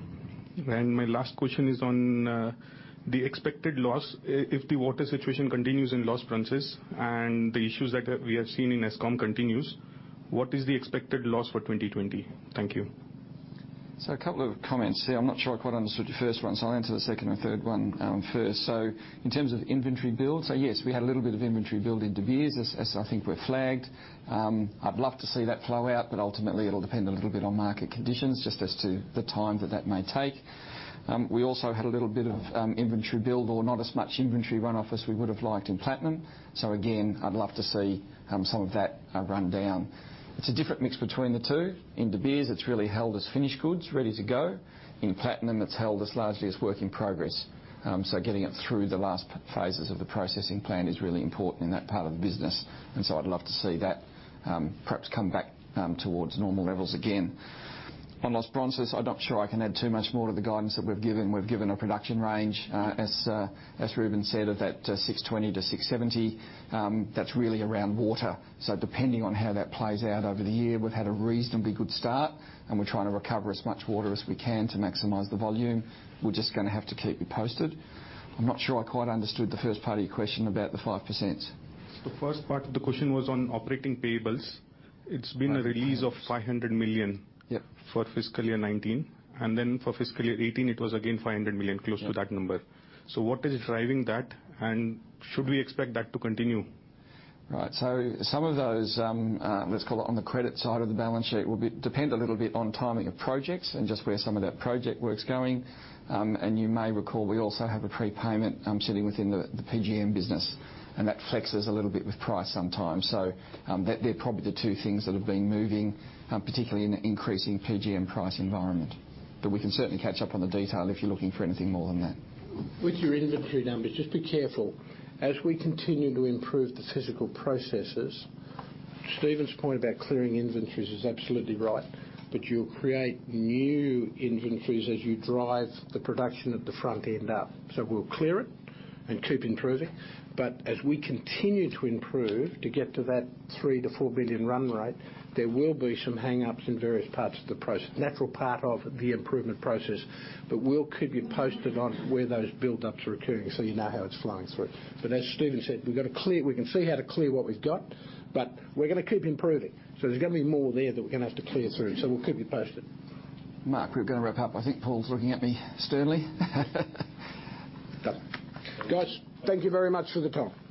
my last question is on the expected loss if the water situation continues in Los Bronces and the issues that we have seen in Eskom continues, what is the expected loss for 2020? Thank you. A couple of comments. See, I'm not sure I quite understood your first one, so I'll answer the second and third one first. In terms of inventory build, yes, we had a little bit of inventory build in De Beers, as I think we've flagged. I'd love to see that flow out, but ultimately it'll depend a little bit on market conditions, just as to the time that that may take. We also had a little bit of inventory build or not as much inventory run off as we would have liked in platinum. Again, I'd love to see some of that run down. It's a different mix between the two. In De Beers, it's really held as finished goods, ready to go. In platinum, it's held as largely as work in progress. Getting it through the last phases of the processing plan is really important in that part of the business, I'd love to see that perhaps come back towards normal levels again. On Los Bronces, I'm not sure I can add too much more to the guidance that we've given. We've given a production range, as Ruben said, of that 620-670. That's really around water. Depending on how that plays out over the year, we've had a reasonably good start and we're trying to recover as much water as we can to maximize the volume. We're just going to have to keep you posted. I'm not sure I quite understood the first part of your question about the 5%. The first part of the question was on operating payables. It's been a release of $500 million for fiscal year 2019, and then for fiscal year 2018, it was again $500 million, close to that number. Yeah. What is driving that? Should we expect that to continue? Right. Some of those, let's call it on the credit side of the balance sheet, will depend a little bit on timing of projects and just where some of that project work's going. You may recall we also have a prepayment sitting within the PGM business, and that flexes a little bit with price sometimes. They're probably the two things that have been moving, particularly in an increasing PGM price environment. We can certainly catch up on the detail if you're looking for anything more than that. With your inventory numbers, just be careful. As we continue to improve the physical processes, Stephen's point about clearing inventories is absolutely right. You'll create new inventories as you drive the production at the front end up. We'll clear it and keep improving. As we continue to improve to get to that $3 billion-$4 billion run rate, there will be some hang-ups in various parts of the process, natural part of the improvement process. We'll keep you posted on where those buildups are occurring so you know how it's flowing through. As Stephen said, we can see how to clear what we've got. We're going to keep improving. There's going to be more there that we're going to have to clear through. We'll keep you posted. Mark, we're going to wrap up. I think Paul's looking at me sternly. Done. Guys, thank you very much for the time.